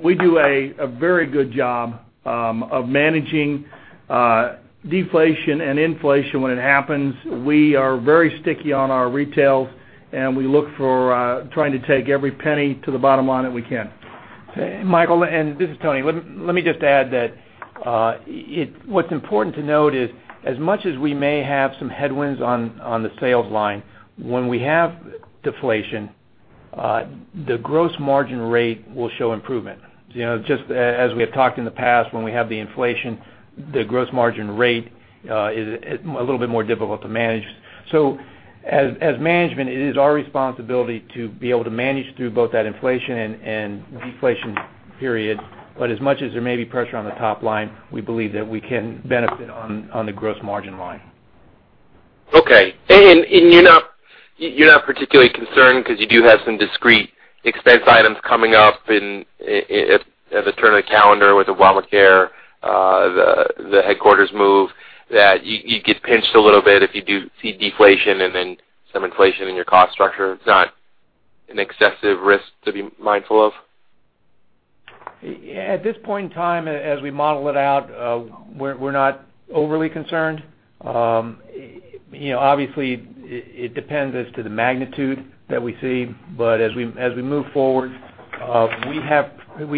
we do a very good job of managing deflation and inflation when it happens. We are very sticky on our retails, and we look for trying to take every penny to the bottom line that we can. Michael, and this is Tony. Let me just add that what's important to note is as much as we may have some headwinds on the sales line, when we have deflation, the gross margin rate will show improvement. Just as we have talked in the past, when we have the inflation, the gross margin rate is a little bit more difficult to manage. As management, it is our responsibility to be able to manage through both that inflation and deflation period. As much as there may be pressure on the top line, we believe that we can benefit on the gross margin line. Okay. You're not particularly concerned because you do have some discrete expense items coming up at the turn of the calendar with ObamaCare, the headquarters move, that you'd get pinched a little bit if you do see deflation and then some inflation in your cost structure. It's not an excessive risk to be mindful of? At this point in time, as we model it out, we're not overly concerned. Obviously, it depends as to the magnitude that we see. As we move forward, we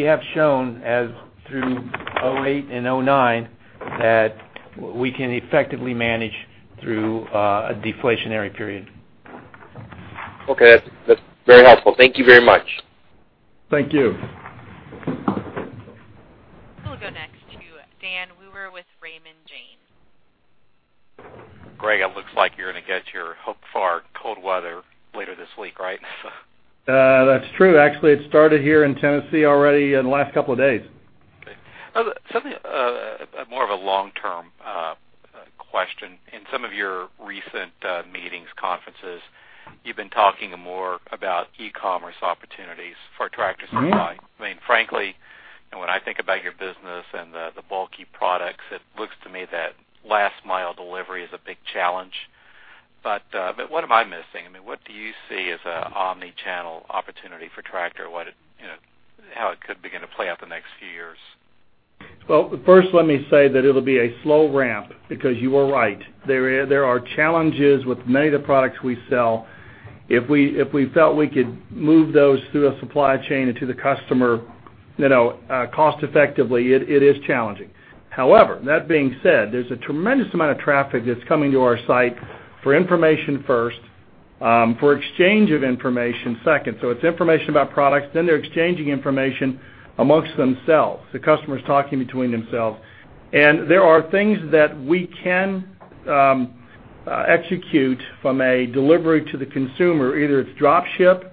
have shown as through 2008 and 2009 that we can effectively manage through a deflationary period. Okay. That's very helpful. Thank you very much. Thank you. We'll go next to Dan Wewer with Raymond James. Greg, it looks like you're going to get your hoped-for cold weather later this week, right? That's true. Actually, it started here in Tennessee already in the last couple of days. Okay. Something more of a long-term question. In some of your recent meetings, conferences, you've been talking more about e-commerce opportunities for Tractor Supply. Frankly, when I think about your business and the bulky products, it looks to me that last mile delivery is a big challenge. What am I missing? What do you see as an omni-channel opportunity for Tractor? How it could begin to play out the next few years? Well, first let me say that it'll be a slow ramp because you are right. There are challenges with many of the products we sell. If we felt we could move those through a supply chain and to the customer cost-effectively, it is challenging. However, that being said, there's a tremendous amount of traffic that's coming to our site for information first, for exchange of information second. It's information about products, then they're exchanging information amongst themselves, the customers talking between themselves. There are things that we can execute from a delivery to the consumer. Either it's drop ship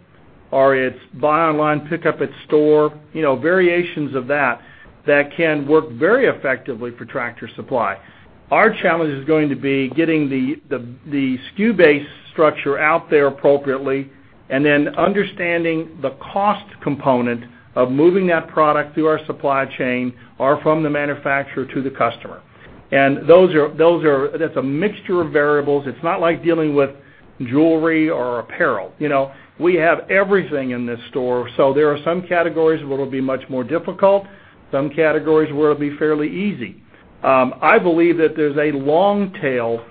or it's buy online, pick up at store, variations of that can work very effectively for Tractor Supply. Our challenge is going to be getting the SKU base structure out there appropriately and then understanding the cost component of moving that product through our supply chain or from the manufacturer to the customer. That's a mixture of variables. It's not like dealing with jewelry or apparel. We have everything in this store. There are some categories where it'll be much more difficult, some categories where it'll be fairly easy. I believe that there's a long-tail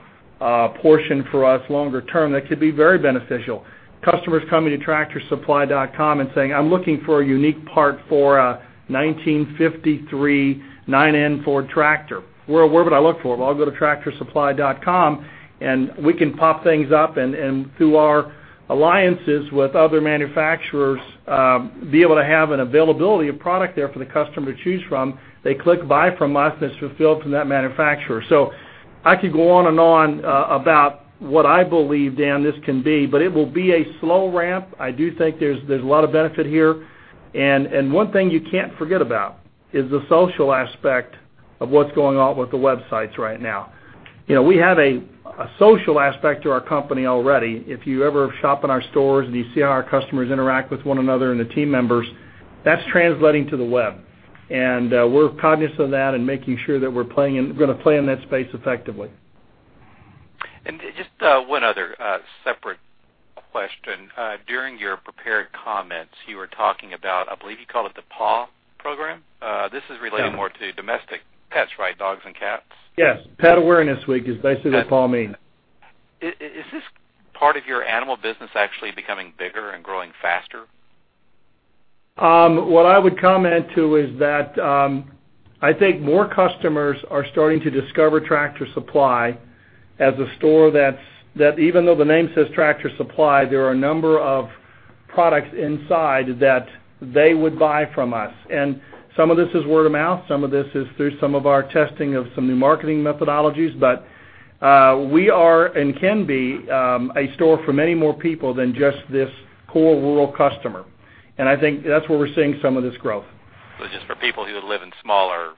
portion for us longer term that could be very beneficial. Customers coming to tractorsupply.com and saying, "I'm looking for a unique part for a 1953 9N Ford tractor. Where would I look for?" Well, I'll go to tractorsupply.com and we can pop things up and through our alliances with other manufacturers, be able to have an availability of product there for the customer to choose from. They click buy from us, and it's fulfilled from that manufacturer. I could go on and on about what I believe, Dan, this can be, but it will be a slow ramp. I do think there's a lot of benefit here. One thing you can't forget about is the social aspect of what's going on with the websites right now. We have a social aspect to our company already. If you ever shop in our stores and you see how our customers interact with one another and the team members, that's translating to the web. We're cognizant of that and making sure that we're going to play in that space effectively. Just one other separate question. During your prepared comments, you were talking about, I believe you called it the PAW program? This is relating- Yeah more to domestic pets, right? Dogs and cats. Yes. Pet Appreciation Week is basically what PAW means. Is this part of your animal business actually becoming bigger and growing faster? What I would comment to is that I think more customers are starting to discover Tractor Supply as a store that even though the name says Tractor Supply, there are a number of products inside that they would buy from us. Some of this is word of mouth. Some of this is through some of our testing of some new marketing methodologies. We are and can be a store for many more people than just this core rural customer. I think that's where we're seeing some of this growth. Just for people who live in smaller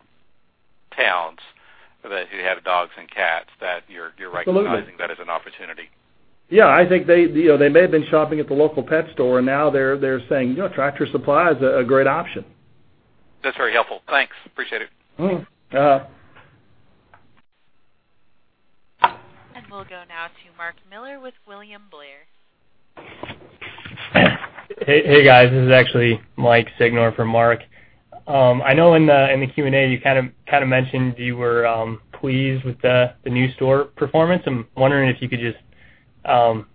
towns, who have dogs and cats, that you're. Absolutely recognizing that as an opportunity. Yeah, I think they may have been shopping at the local pet store, and now they're saying Tractor Supply is a great option. That's very helpful. Thanks, appreciate it. Mm-hmm. Yeah. We'll go now to Mark Miller with William Blair. Hey, guys. This is actually Mike Sicuranza for Mark. I know in the Q&A, you kind of mentioned you were pleased with the new store performance. I'm wondering if you could just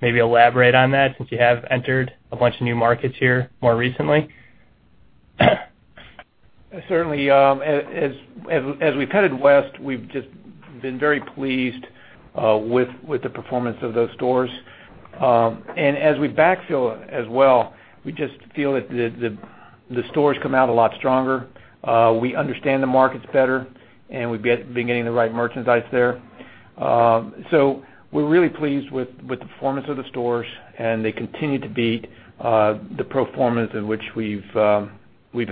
maybe elaborate on that since you have entered a bunch of new markets here more recently. Certainly. As we've headed west, we've just been very pleased with the performance of those stores. As we backfill as well, we just feel that the stores come out a lot stronger. We understand the markets better, and we've been getting the right merchandise there. We're really pleased with the performance of the stores, and they continue to beat the pro formas in which we've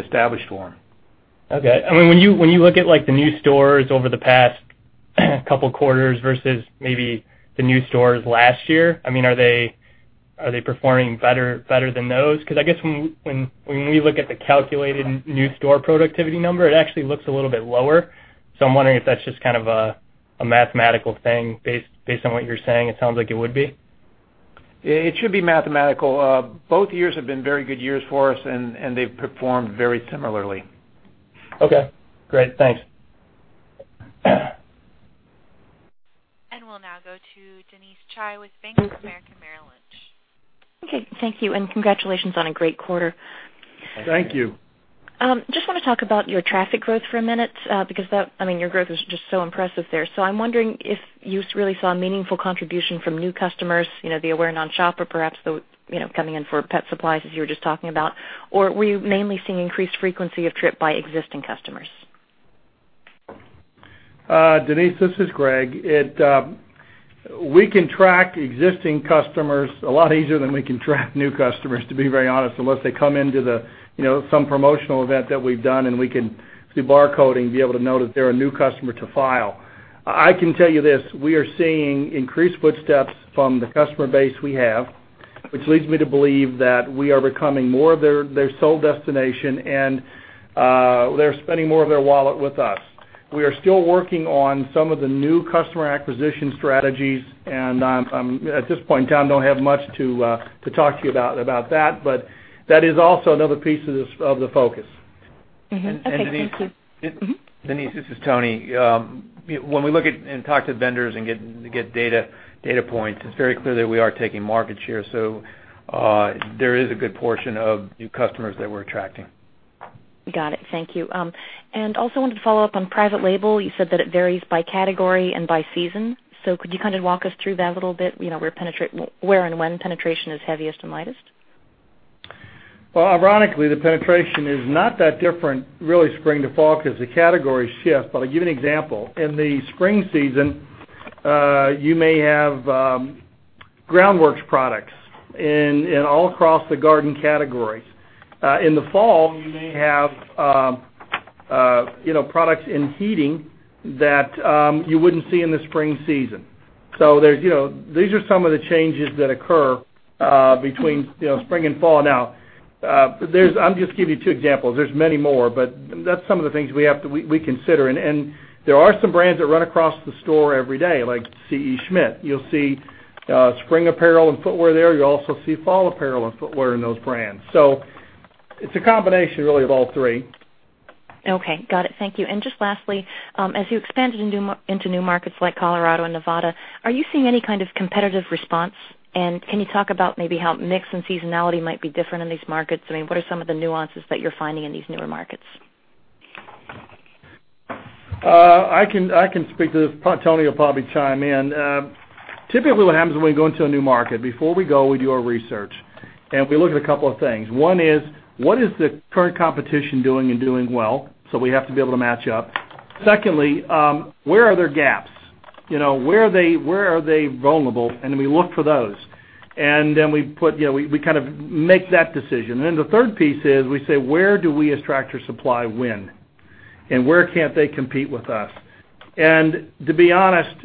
established for them. Okay. When you look at the new stores over the past couple of quarters versus maybe the new stores last year, are they performing better than those? I guess when we look at the calculated new store productivity number, it actually looks a little bit lower. I'm wondering if that's just kind of a mathematical thing based on what you're saying. It sounds like it would be. It should be mathematical. Both years have been very good years for us, and they've performed very similarly. Okay, great. Thanks. We'll now go to Denise Chai with Bank of America Merrill Lynch. Okay, thank you, and congratulations on a great quarter. Thank you. Just want to talk about your traffic growth for a minute because your growth is just so impressive there. I'm wondering if you really saw a meaningful contribution from new customers, the aware non-shopper perhaps coming in for pet supplies as you were just talking about, or were you mainly seeing increased frequency of trip by existing customers? Denise, this is Greg. We can track existing customers a lot easier than we can track new customers, to be very honest, unless they come into some promotional event that we've done and we can do bar coding to be able to know that they're a new customer to file. I can tell you this, we are seeing increased footsteps from the customer base we have, which leads me to believe that we are becoming more of their sole destination and they're spending more of their wallet with us. We are still working on some of the new customer acquisition strategies, and at this point in time, don't have much to talk to you about that, but that is also another piece of the focus. Okay. Thank you. Denise, this is Tony. When we look at and talk to vendors and get data points, it's very clear that we are taking market share. There is a good portion of new customers that we're attracting. Got it. Thank you. Also wanted to follow up on private label. You said that it varies by category and by season. Could you kind of walk us through that a little bit, where and when penetration is heaviest and lightest? Well, ironically, the penetration is not that different really spring to fall because the categories shift. I'll give you an example. In the spring season, you may have Groundwork products all across the garden categories. In the fall, you may have products in heating that you wouldn't see in the spring season. These are some of the changes that occur between spring and fall. Now, I'm just giving you two examples. There's many more, but that's some of the things we consider. There are some brands that run across the store every day, like C.E. Schmidt. You'll see spring apparel and footwear there. You also see fall apparel and footwear in those brands. It's a combination really of all three. Okay. Got it. Thank you. Just lastly, as you expanded into new markets like Colorado and Nevada, are you seeing any kind of competitive response? Can you talk about maybe how mix and seasonality might be different in these markets? What are some of the nuances that you're finding in these newer markets? I can speak to this. Tony will probably chime in. Typically what happens when we go into a new market, before we go, we do our research and we look at a couple of things. One is, what is the current competition doing and doing well? We have to be able to match up. Secondly, where are there gaps? Where are they vulnerable? We look for those. We make that decision. The third piece is we say, where do we, as Tractor Supply, win? Where can't they compete with us? To be honest,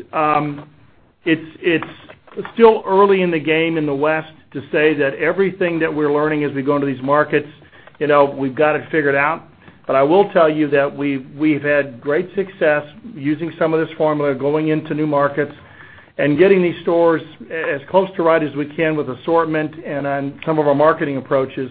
it's still early in the game in the West to say that everything that we're learning as we go into these markets, we've got it figured out. I will tell you that we've had great success using some of this formula, going into new markets and getting these stores as close to right as we can with assortment and on some of our marketing approaches.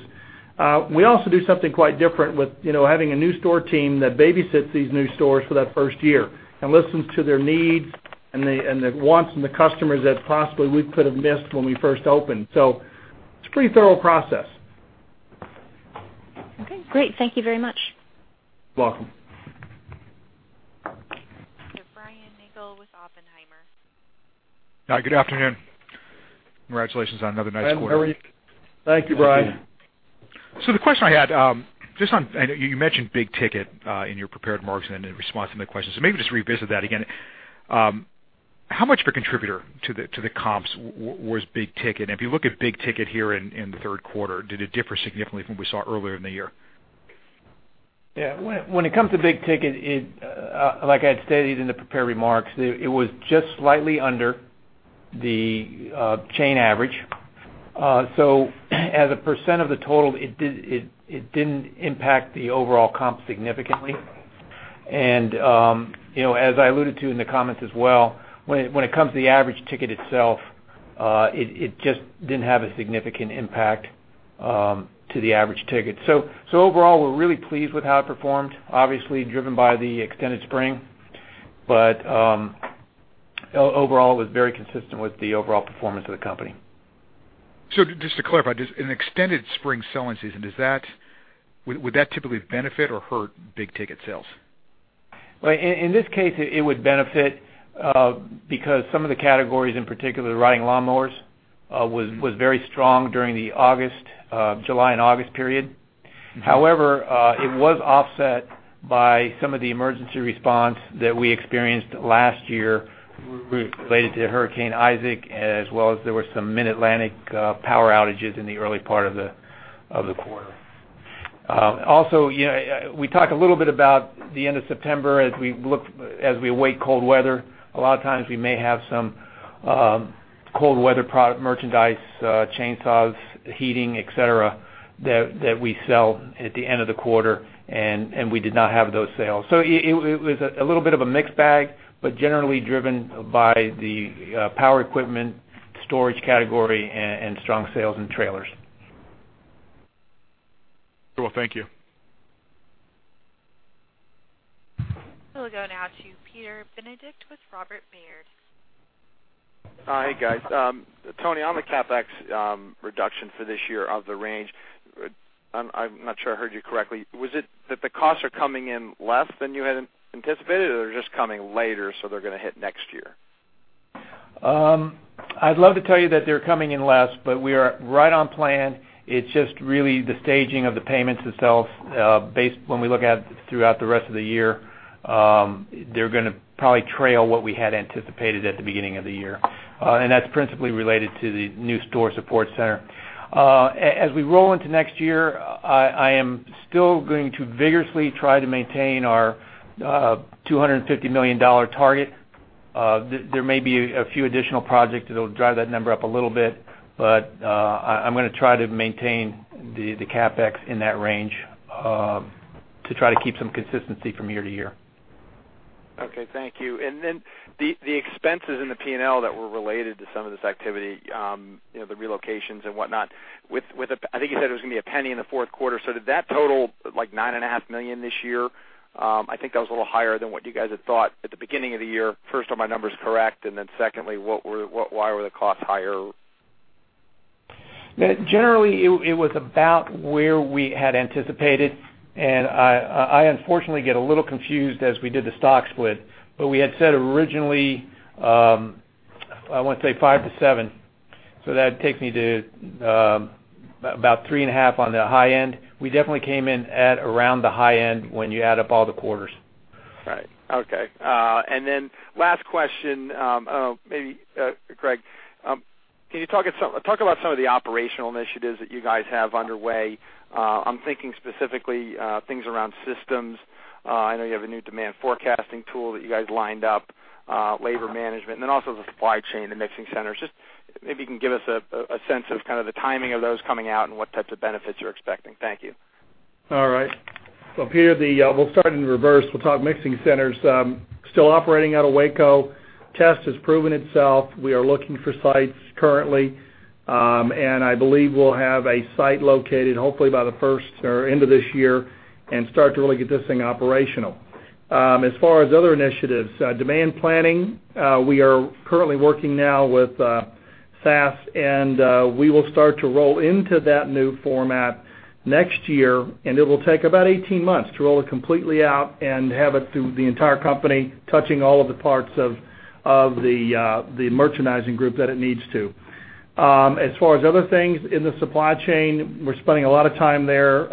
We also do something quite different with having a new store team that babysits these new stores for that first year and listens to their needs and the wants from the customers that possibly we could have missed when we first opened. It's a pretty thorough process. Okay, great. Thank you very much. Welcome. Brian Nagel with Oppenheimer. Hi, good afternoon. Congratulations on another nice quarter. Thank you, Brian. The question I had, you mentioned big ticket in your prepared remarks and in response to my question, maybe just revisit that again. How much of a contributor to the comps was big ticket? If you look at big ticket here in the third quarter, did it differ significantly from what we saw earlier in the year? When it comes to big ticket, like I had stated in the prepared remarks, it was just slightly under the chain average. As a % of the total, it didn't impact the overall comp significantly. As I alluded to in the comments as well, when it comes to the average ticket itself, it just didn't have a significant impact to the average ticket. Overall, we're really pleased with how it performed, obviously driven by the extended spring. Overall, it was very consistent with the overall performance of the company. Just to clarify, an extended spring selling season, would that typically benefit or hurt big ticket sales? In this case, it would benefit because some of the categories, in particular the riding lawn mowers, was very strong during the July and August period. However, it was offset by some of the emergency response that we experienced last year related to Hurricane Isaac, as well as there were some mid-Atlantic power outages in the early part of the quarter. We talk a little bit about the end of September as we await cold weather. A lot of times we may have some cold weather product merchandise, chainsaws, heating, et cetera, that we sell at the end of the quarter, and we did not have those sales. It was a little bit of a mixed bag, but generally driven by the power equipment storage category and strong sales in trailers. Thank you. We'll go now to Peter Benedict with Robert Baird. Hi, guys. Tony, on the CapEx reduction for this year of the range, I'm not sure I heard you correctly. Was it that the costs are coming in less than you had anticipated, or they're just coming later, so they're going to hit next year? I'd love to tell you that they're coming in less, but we are right on plan. It's just really the staging of the payments itself. When we look at throughout the rest of the year, they're going to probably trail what we had anticipated at the beginning of the year. That's principally related to the new store support center. As we roll into next year, I am still going to vigorously try to maintain our $250 million target. There may be a few additional projects that'll drive that number up a little bit, but I'm going to try to maintain the CapEx in that range to try to keep some consistency from year to year. Okay, thank you. The expenses in the P&L that were related to some of this activity, the relocations and whatnot, I think you said it was going to be a penny in the fourth quarter. Did that total like $9.5 million this year? I think that was a little higher than what you guys had thought at the beginning of the year. First, are my numbers correct? Secondly, why were the costs higher? Generally, it was about where we had anticipated, and I unfortunately get a little confused as we did the stock split. We had said originally, I want to say $0.05 to $0.07, so that'd take me to about $0.035 on the high end. We definitely came in at around the high end when you add up all the quarters. Right. Okay. Last question, maybe, Greg, talk about some of the operational initiatives that you guys have underway. I'm thinking specifically things around systems. I know you have a new demand forecasting tool that you guys lined up, labor management, and then also the supply chain and mixing centers. Just maybe you can give us a sense of kind of the timing of those coming out and what types of benefits you're expecting. Thank you. Peter, we'll start in reverse. We'll talk mixing centers. Still operating out of Waco. Test has proven itself. We are looking for sites currently. I believe we'll have a site located hopefully by end of this year and start to really get this thing operational. As far as other initiatives, demand planning, we are currently working now with SAS, we will start to roll into that new format next year, and it will take about 18 months to roll it completely out and have it through the entire company, touching all of the parts of the merchandising group that it needs to. As far as other things in the supply chain, we're spending a lot of time there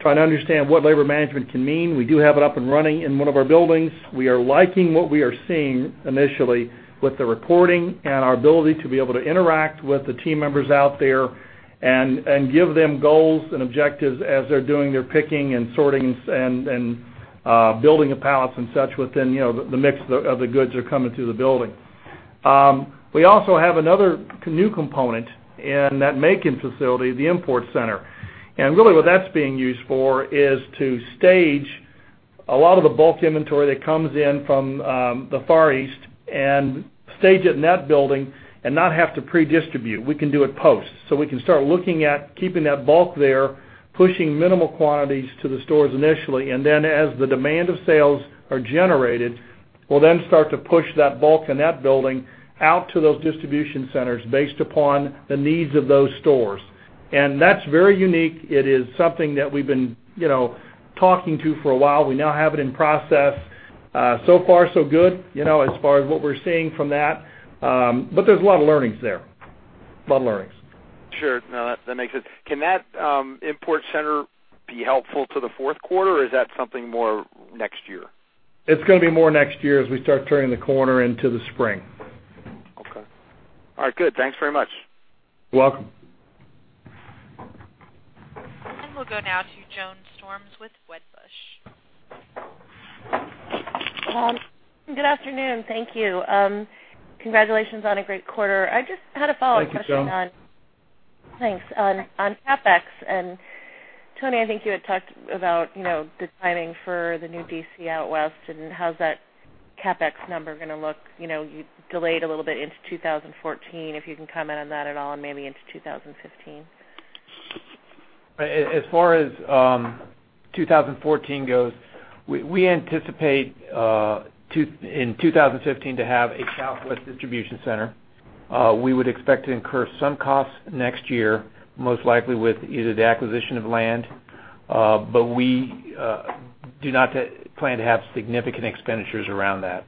trying to understand what labor management can mean. We do have it up and running in one of our buildings. We are liking what we are seeing initially with the reporting and our ability to be able to interact with the team members out there and give them goals and objectives as they're doing their picking and sorting and building of pallets and such within the mix of the goods that are coming through the building. We also have another new component in that Macon facility, the import center. Really what that's being used for is to stage a lot of the bulk inventory that comes in from the Far East and stage it in that building and not have to pre-distribute. We can do it post. We can start looking at keeping that bulk there, pushing minimal quantities to the stores initially, as the demand of sales are generated, we'll then start to push that bulk in that building out to those distribution centers based upon the needs of those stores. That's very unique. It is something that we've been talking to for a while. We now have it in process. Far so good, as far as what we're seeing from that. There's a lot of learnings there. A lot of learnings. Sure. No, that makes sense. Can that import center be helpful to the fourth quarter, or is that something more next year? It's going to be more next year as we start turning the corner into the spring. Okay. All right, good. Thanks very much. You're welcome. We'll go now to Joan Storms with Wedbush. Good afternoon, thank you. Congratulations on a great quarter. I just had a follow-up question- Thank you, Joan. Thanks, on CapEx. Tony, I think you had talked about the timing for the new DC out West, and how's that CapEx number going to look? You delayed a little bit into 2014, if you can comment on that at all, and maybe into 2015. As far as 2014 goes, we anticipate in 2015 to have a Southwest distribution center. We would expect to incur some costs next year, most likely with either the acquisition of land, but we do not plan to have significant expenditures around that.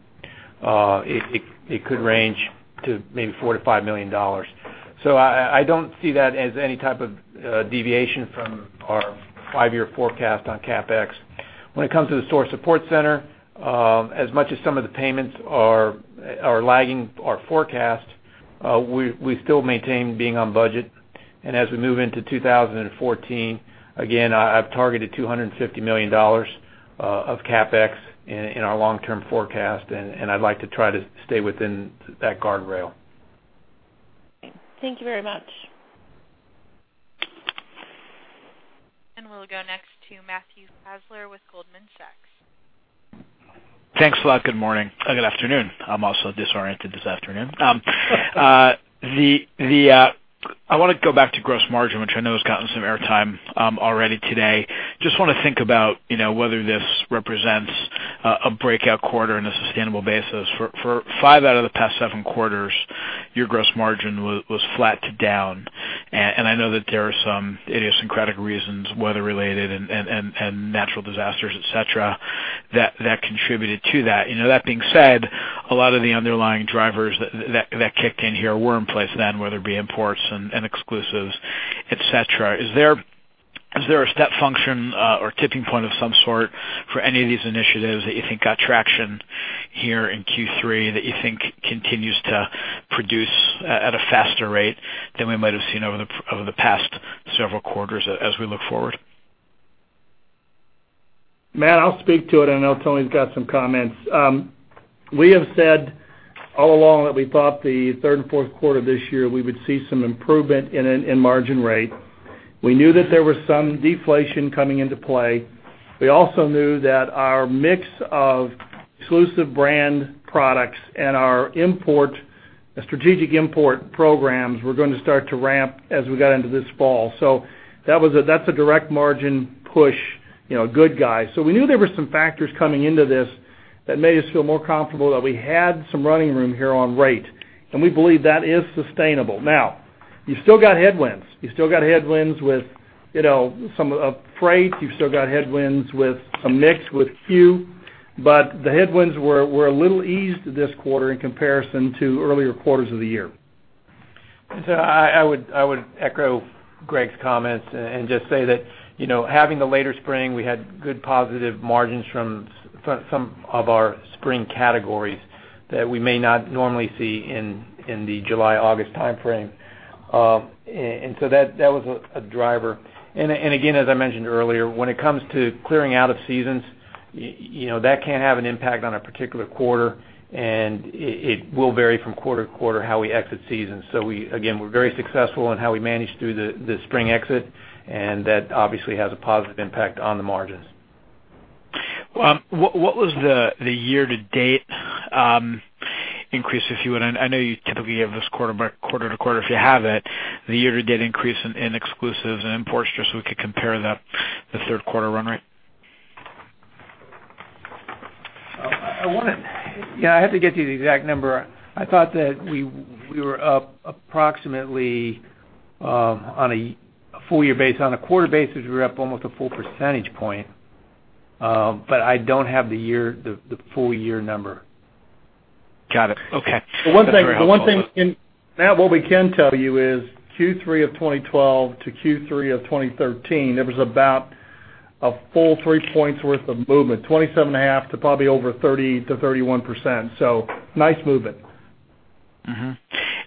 It could range to maybe $4 million-$5 million. I don't see that as any type of deviation from our five-year forecast on CapEx. When it comes to the store support center, as much as some of the payments are lagging our forecast, we still maintain being on budget. As we move into 2014, again, I've targeted $250 million of CapEx in our long-term forecast, and I'd like to try to stay within that guardrail. Thank you very much. We'll go next to Matthew Fassler with Goldman Sachs. Thanks a lot. Good morning, or good afternoon. I'm also disoriented this afternoon. I want to go back to gross margin, which I know has gotten some air time already today. Just want to think about whether this represents a breakout quarter on a sustainable basis. For five out of the past seven quarters, your gross margin was flat to down. I know that there are some idiosyncratic reasons, weather related and natural disasters, et cetera, that contributed to that. That being said, a lot of the underlying drivers that kick in here were in place then, whether it be imports and exclusives, et cetera. Is there a step function or tipping point of some sort for any of these initiatives that you think got traction here in Q3 that you think continues to produce at a faster rate than we might have seen over the past several quarters as we look forward? Matt, I'll speak to it. I know Tony's got some comments. We have said all along that we thought the third and fourth quarter this year, we would see some improvement in margin rate. We knew that there was some deflation coming into play. We also knew that our mix of exclusive brand products and our strategic import programs were going to start to ramp as we got into this fall. That's a direct margin push, good guy. We knew there were some factors coming into this that made us feel more comfortable that we had some running room here on rate, and we believe that is sustainable. Now, you still got headwinds. You still got headwinds with some of freight. You've still got headwinds with some mix with Q, but the headwinds were a little eased this quarter in comparison to earlier quarters of the year. I would echo Greg's comments and just say that, having the later spring, we had good positive margins from some of our spring categories that we may not normally see in the July, August timeframe. That was a driver. Again, as I mentioned earlier, when it comes to clearing out of seasons, that can have an impact on a particular quarter, and it will vary from quarter to quarter how we exit seasons. Again, we're very successful in how we managed through the spring exit, and that obviously has a positive impact on the margins. What was the year-to-date increase? I know you typically have this quarter to quarter. If you have it, the year-to-date increase in exclusive and imports, just we could compare the third quarter run rate. I'd have to get you the exact number. I thought that we were up approximately on a full year basis, on a quarter basis, we were up almost a full percentage point. I don't have the full year number. Got it. Okay. That's very helpful. Well, one thing, Matt, what we can tell you is Q3 of 2012 to Q3 of 2013, there was about a full three points worth of movement, 27 and a half to probably over 30%-31%. Nice movement. Mm-hmm.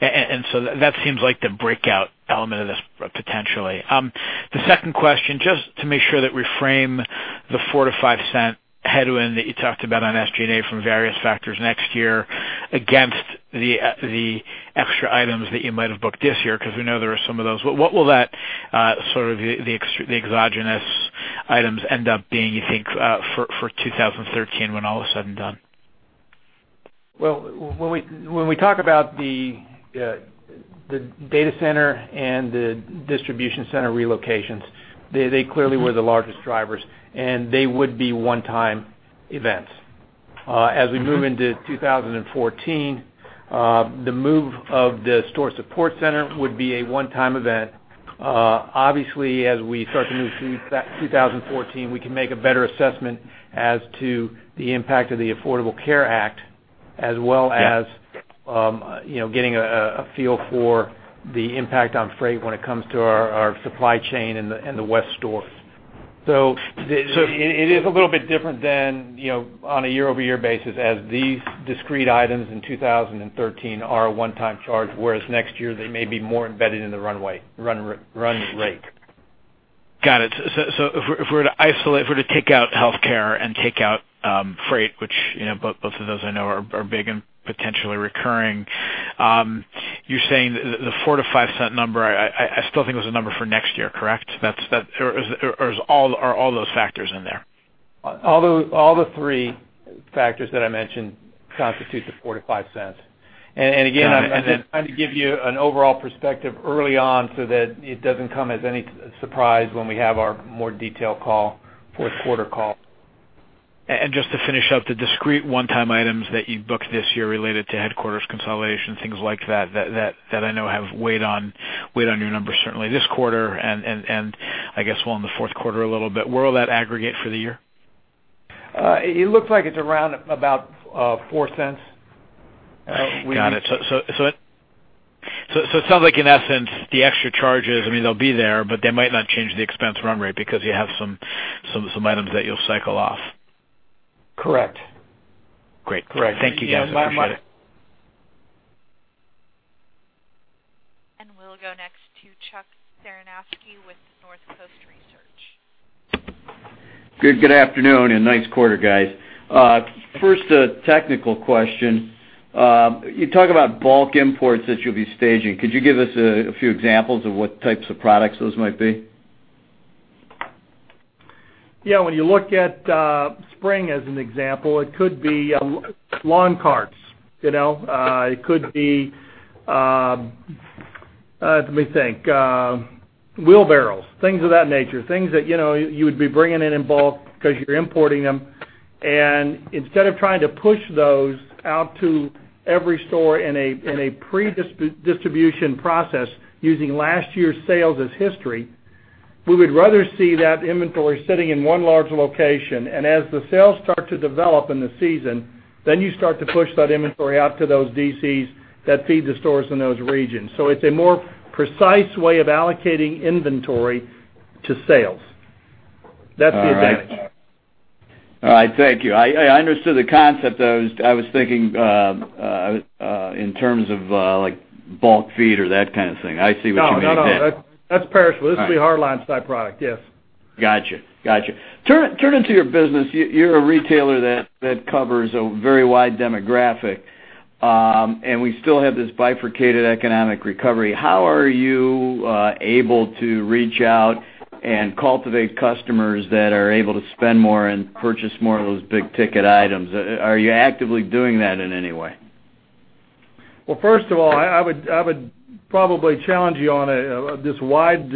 That seems like the breakout element of this potentially. The second question, just to make sure that we frame the $0.04-$0.05 headwind that you talked about on SG&A from various factors next year against the extra items that you might have booked this year, because we know there are some of those. What will that sort of the exogenous items end up being, you think, for 2013 when all is said and done? Well, when we talk about the data center and the distribution center relocations, they clearly were the largest drivers, and they would be one-time events. As we move into 2014, the move of the store support center would be a one-time event. Obviously, as we start to move to 2014, we can make a better assessment as to the impact of the Affordable Care Act, as well as getting a feel for the impact on freight when it comes to our supply chain and the West stores. It is a little bit different than on a year-over-year basis as these discrete items in 2013 are a one-time charge, whereas next year they may be more embedded in the run rate. Got it. If we're to take out healthcare and take out freight, which both of those I know are big and potentially recurring, you're saying the $0.04 to $0.05 number, I still think it was a number for next year, correct? Are all those factors in there? All the three factors that I mentioned constitute the $0.04 to $0.05. Again, I'm just trying to give you an overall perspective early on so that it doesn't come as any surprise when we have our more detailed call, fourth quarter call. Just to finish up the discrete one-time items that you booked this year related to headquarters consolidation, things like that I know have weighed on your numbers certainly this quarter and I guess will in the fourth quarter a little bit. Where will that aggregate for the year? It looks like it's around about $0.04. Got it. It sounds like, in essence, the extra charges, I mean, they'll be there, but they might not change the expense run rate because you have some items that you'll cycle off. Correct. Great. Thank you, guys. Appreciate it. We'll go next to Chuck Cerankosky with Northcoast Research. Good afternoon, nice quarter, guys. First, a technical question. You talk about bulk imports that you'll be staging. Could you give us a few examples of what types of products those might be? Yeah. When you look at spring as an example, it could be lawn carts. Let me think. Wheelbarrows, things of that nature, things that you would be bringing in in bulk because you're importing them. Instead of trying to push those out to every store in a pre-distribution process using last year's sales as history, we would rather see that inventory sitting in one large location. As the sales start to develop in the season, you start to push that inventory out to those DCs that feed the stores in those regions. It's a more precise way of allocating inventory to sales. That's the advantage. All right. Thank you. I understood the concept, though. I was thinking in terms of, like, bulk feed or that kind of thing. I see what you mean. No. That's perishable. This would be hard lines type product. Yes. Got you. Turning to your business, you're a retailer that covers a very wide demographic. We still have this bifurcated economic recovery. How are you able to reach out and cultivate customers that are able to spend more and purchase more of those big-ticket items? Are you actively doing that in any way? Well, first of all, I would probably challenge you on this wide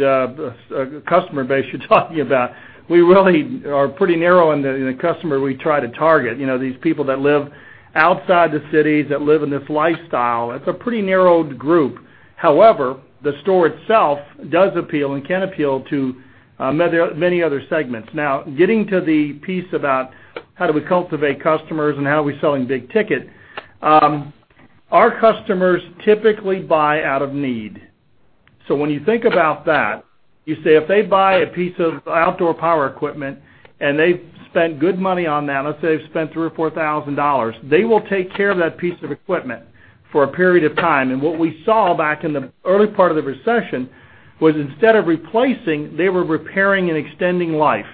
customer base you're talking about. We really are pretty narrow in the customer we try to target. These people that live outside the cities, that live in this lifestyle. It's a pretty narrowed group. However, the store itself does appeal and can appeal to many other segments. Now, getting to the piece about how do we cultivate customers and how are we selling big-ticket, our customers typically buy out of need. When you think about that, you say if they buy a piece of outdoor power equipment and they've spent good money on that, let's say they've spent $3,000 or $4,000, they will take care of that piece of equipment for a period of time. What we saw back in the early part of the recession was instead of replacing, they were repairing and extending life.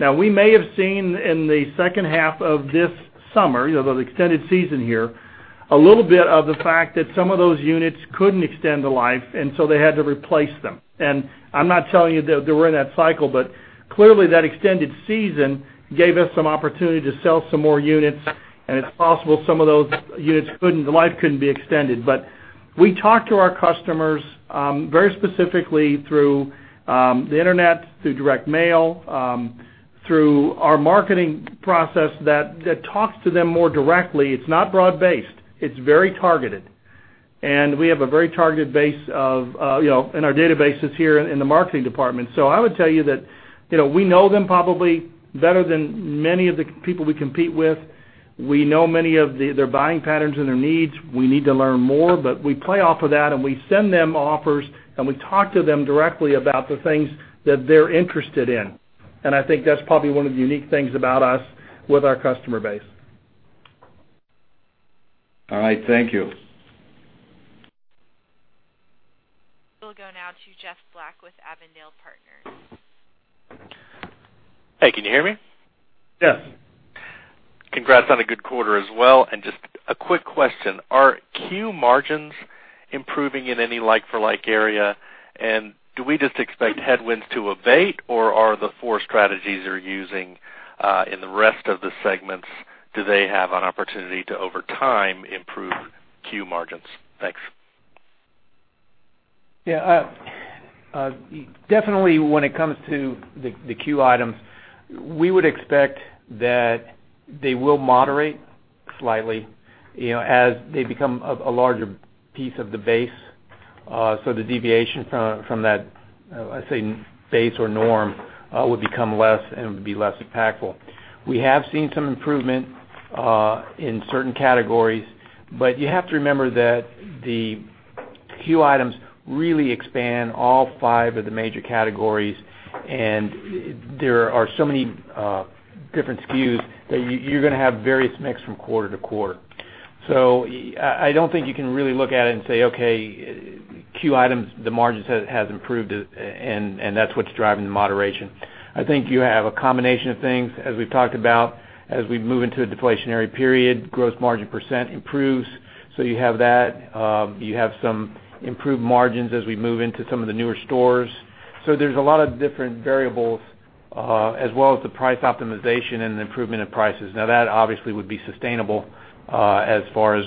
Now, we may have seen in the second half of this summer, the extended season here, a little bit of the fact that some of those units couldn't extend the life. They had to replace them. I'm not telling you that we're in that cycle, clearly that extended season gave us some opportunity to sell some more units. It's possible some of those units, the life couldn't be extended. We talk to our customers very specifically through the Internet, through direct mail, through our marketing process that talks to them more directly. It's not broad-based. It's very targeted. We have a very targeted base in our databases here in the marketing department. I would tell you that, we know them probably better than many of the people we compete with. We know many of their buying patterns and their needs. We need to learn more. We play off of that. We send them offers. We talk to them directly about the things that they're interested in. I think that's probably one of the unique things about us with our customer base. All right. Thank you. We'll go now to Jeff Black with Avondale Partners. Hey, can you hear me? Yes. Congrats on a good quarter as well. Just a quick question. Are CUE margins improving in any like-for-like area? Do we just expect headwinds to abate, or are the four strategies you're using, in the rest of the segments, do they have an opportunity to, over time, improve CUE margins? Thanks. Yeah. Definitely when it comes to the CUE items, we would expect that they will moderate slightly as they become a larger piece of the base. The deviation from that, let's say, base or norm, would become less and it would be less impactful. We have seen some improvement in certain categories, but you have to remember that the CUE items really expand all five of the major categories, and there are so many different SKUs that you're going to have various mix from quarter to quarter. I don't think you can really look at it and say, okay, CUE items, the margins have improved, and that's what's driving the moderation. I think you have a combination of things, as we've talked about, as we move into a deflationary period. Gross margin % improves. You have that. You have some improved margins as we move into some of the newer stores. There's a lot of different variables, as well as the price optimization and the improvement in prices. Now, that obviously would be sustainable, as far as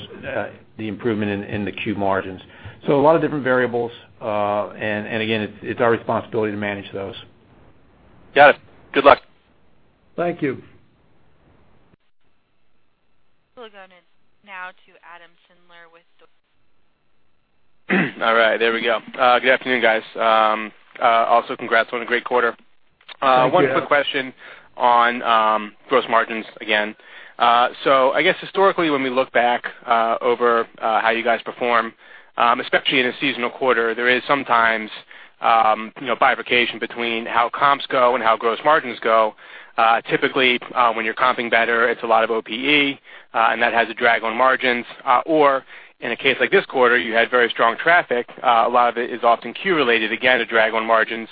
the improvement in the CUE margins. A lot of different variables. Again, it's our responsibility to manage those. Got it. Good luck. Thank you. We'll go ahead now to Adam Sindler with All right, there we go. Good afternoon, guys. Congrats on a great quarter. Thank you. One quick question on gross margins again. I guess historically, when we look back over how you guys perform, especially in a seasonal quarter, there is sometimes bifurcation between how comps go and how gross margins go. Typically, when you're comping better, it's a lot of OPE, and that has a drag on margins. Or in a case like this quarter, you had very strong traffic. A lot of it is often CUE related, again, a drag on margins.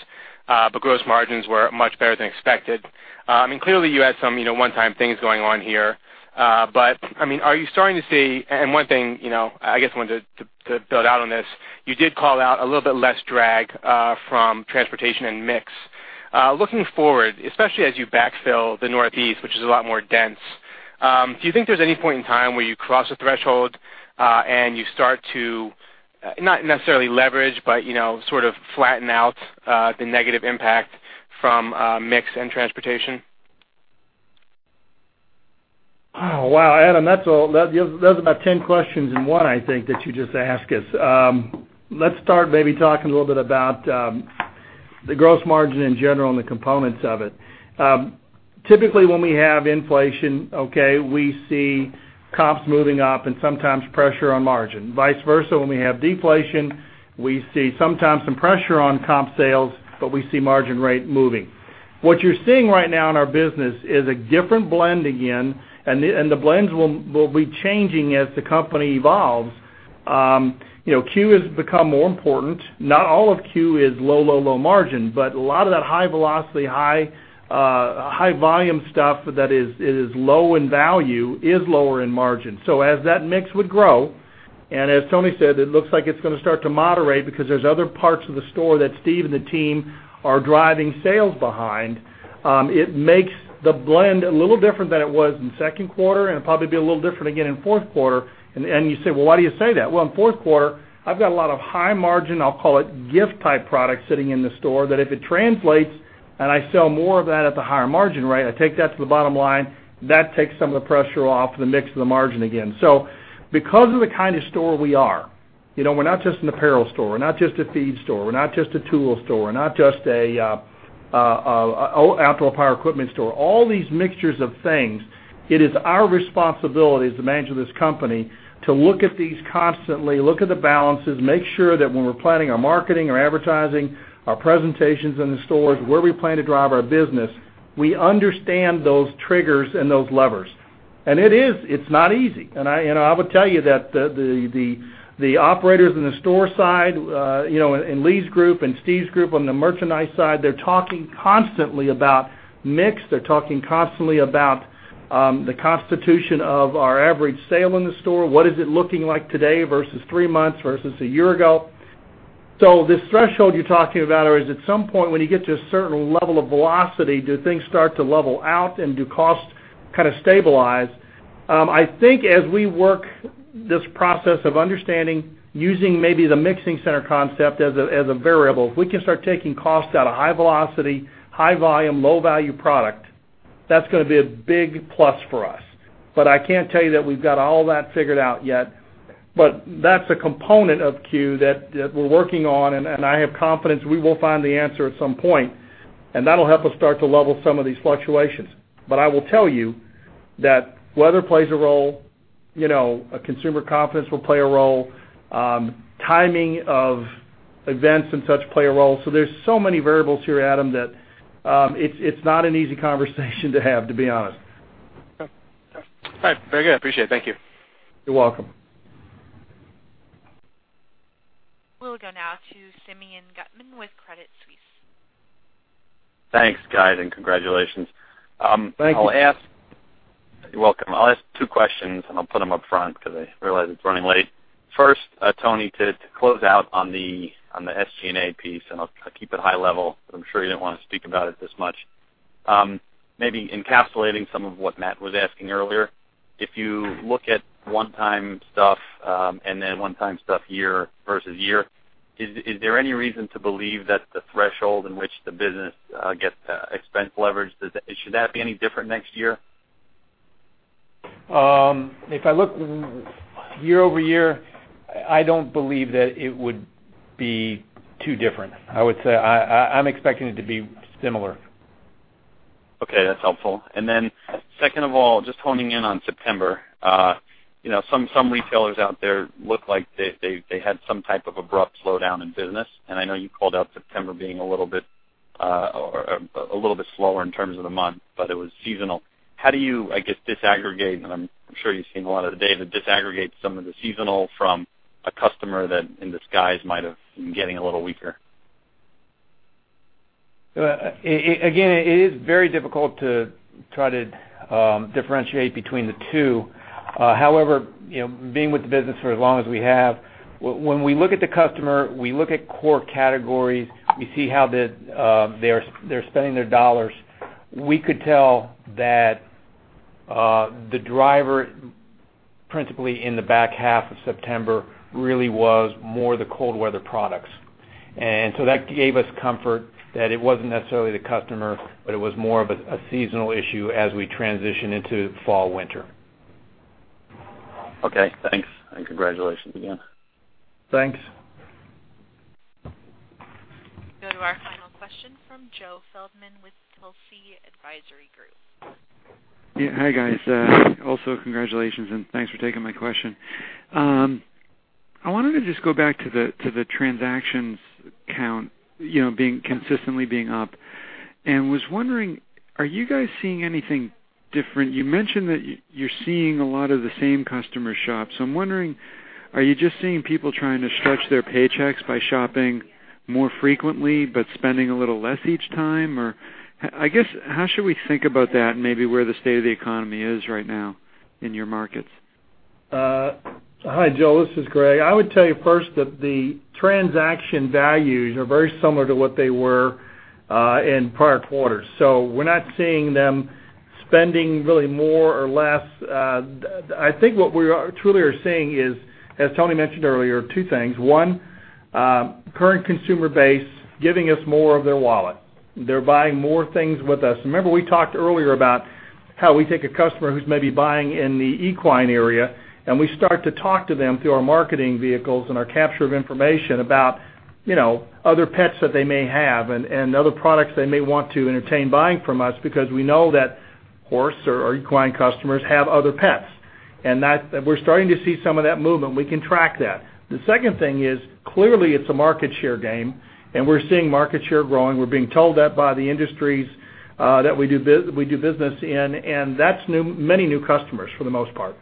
Gross margins were much better than expected. Clearly you had some one-time things going on here. Are you starting to see-- and one thing I guess I wanted to build out on this, you did call out a little bit less drag from transportation and mix. Looking forward, especially as you backfill the Northeast, which is a lot more dense, do you think there's any point in time where you cross a threshold and you start to, not necessarily leverage, but sort of flatten out the negative impact from mix and transportation? Oh, wow. Adam, that's about 10 questions in one, I think, that you just asked us. Let's start maybe talking a little bit about the gross margin in general and the components of it. Typically, when we have inflation, okay, we see comps moving up and sometimes pressure on margin. Vice versa, when we have deflation, we see sometimes some pressure on comp sales, but we see margin rate moving. What you're seeing right now in our business is a different blend again, and the blends will be changing as the company evolves. CUE has become more important. Not all of CUE is low, low, low margin, but a lot of that high velocity, high volume stuff that is low in value is lower in margin. As that mix would grow, and as Tony said, it looks like it's going to start to moderate because there's other parts of the store that Steve and the team are driving sales behind. It makes the blend a little different than it was in the second quarter, and it'll probably be a little different again in fourth quarter. You say, "Why do you say that?" In fourth quarter, I've got a lot of high margin, I'll call it gift-type product sitting in the store that if it translates and I sell more of that at the higher margin rate, I take that to the bottom line. That takes some of the pressure off the mix of the margin again. Because of the kind of store we are, we're not just an apparel store, we're not just a feed store, we're not just a tool store, we're not just a outdoor power equipment store. All these mixtures of things, it is our responsibility as the management of this company to look at these constantly, look at the balances, make sure that when we're planning our marketing, our advertising, our presentations in the stores, where we plan to drive our business, we understand those triggers and those levers. It's not easy. I would tell you that the operators in the store side, in Lee's group and Steve's group on the merchandise side, they're talking constantly about mix. They're talking constantly about the constitution of our average sale in the store. What is it looking like today versus three months versus a year ago? This threshold you're talking about, or is it some point when you get to a certain level of velocity, do things start to level out, and do costs kind of stabilize? I think as we work this process of understanding, using maybe the mixing center concept as a variable, if we can start taking costs out of high velocity, high volume, low-value product, that's going to be a big plus for us. I can't tell you that we've got all that figured out yet, but that's a component of CUE that we're working on, and I have confidence we will find the answer at some point. That'll help us start to level some of these fluctuations. I will tell you that weather plays a role, consumer confidence will play a role, timing of events and such play a role. There's so many variables here, Adam, that it's not an easy conversation to have, to be honest. Okay. All right, very good. Appreciate it. Thank you. You're welcome. We'll go now to Simeon Gutman with Credit Suisse. Thanks, guys, and congratulations. Thank you. You're welcome. I'll ask two questions, and I'll put them upfront because I realize it's running late. First, Tony, to close out on the SG&A piece, and I'll keep it high level, because I'm sure you didn't want to speak about it this much. Maybe encapsulating some of what Matt was asking earlier. If you look at one-time stuff, and then one-time stuff year versus year, is there any reason to believe that the threshold in which the business gets expense leverage, should that be any different next year? If I look year-over-year, I don't believe that it would be too different. I would say I'm expecting it to be similar. Okay, that's helpful. Second of all, just honing in on September. Some retailers out there look like they had some type of abrupt slowdown in business, I know you called out September being a little bit slower in terms of the month, but it was seasonal. How do you, I guess, disaggregate, I'm sure you've seen a lot of the data, disaggregate some of the seasonal from a customer that in disguise might have been getting a little weaker? Again, it is very difficult to try to differentiate between the two. However, being with the business for as long as we have, when we look at the customer, we look at core categories, we see how they're spending their dollars. We could tell that the driver, principally in the back half of September, really was more the cold weather products. That gave us comfort that it wasn't necessarily the customer, but it was more of a seasonal issue as we transition into fall/winter. Okay, thanks. Congratulations again. Thanks. Go to our final question from Joe Feldman with Telsey Advisory Group. Yeah. Hi, guys. Also, congratulations and thanks for taking my question. I wanted to just go back to the transactions count consistently being up. Was wondering, are you guys seeing anything different? You mentioned that you're seeing a lot of the same customer shops. I'm wondering, are you just seeing people trying to stretch their paychecks by shopping more frequently but spending a little less each time? I guess, how should we think about that and maybe where the state of the economy is right now in your markets? Hi, Joe. This is Greg. I would tell you first that the transaction values are very similar to what they were in prior quarters. We're not seeing them spending really more or less. I think what we truly are seeing is, as Tony mentioned earlier, two things. One, current consumer base giving us more of their wallet. They're buying more things with us. Remember we talked earlier about how we take a customer who's maybe buying in the equine area, and we start to talk to them through our marketing vehicles and our capture of information about other pets that they may have and other products they may want to entertain buying from us because we know that horse or equine customers have other pets. We're starting to see some of that movement, and we can track that. The second thing is, clearly it's a market share game. We're seeing market share growing. We're being told that by the industries that we do business in. That's many new customers for the most part.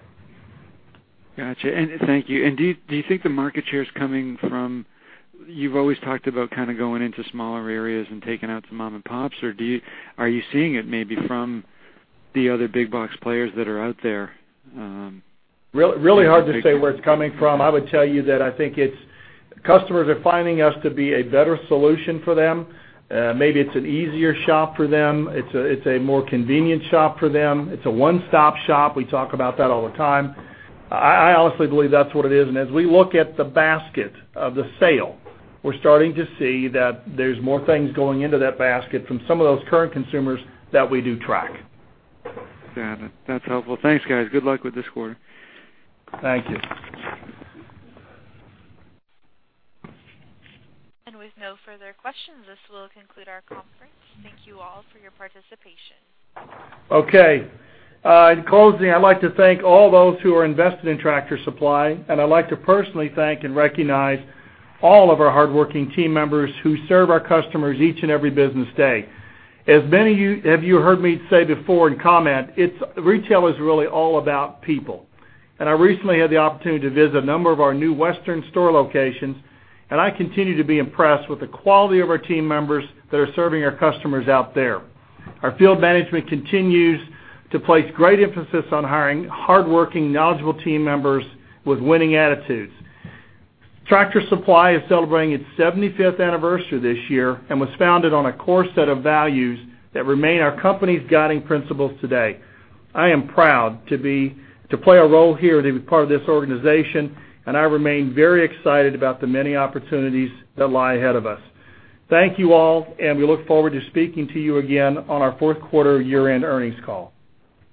Got you. Thank you. Do you think the market share is coming from-- you've always talked about going into smaller areas and taking out some mom and pops, or are you seeing it maybe from the other big box players that are out there? Really hard to say where it's coming from. I would tell you that I think customers are finding us to be a better solution for them. Maybe it's an easier shop for them. It's a more convenient shop for them. It's a one-stop shop. We talk about that all the time. I honestly believe that's what it is. As we look at the basket of the sale, we're starting to see that there's more things going into that basket from some of those current consumers that we do track. Got it. That's helpful. Thanks, guys. Good luck with this quarter. Thank you. With no further questions, this will conclude our conference. Thank you all for your participation. Okay. In closing, I'd like to thank all those who are invested in Tractor Supply, and I'd like to personally thank and recognize all of our hardworking team members who serve our customers each and every business day. As many of you have heard me say before in comment, retail is really all about people. I recently had the opportunity to visit a number of our new western store locations, and I continue to be impressed with the quality of our team members that are serving our customers out there. Our field management continues to place great emphasis on hiring hardworking, knowledgeable team members with winning attitudes. Tractor Supply is celebrating its 75th anniversary this year and was founded on a core set of values that remain our company's guiding principles today. I am proud to play a role here and to be part of this organization, and I remain very excited about the many opportunities that lie ahead of us. Thank you all, and we look forward to speaking to you again on our fourth quarter year-end earnings call.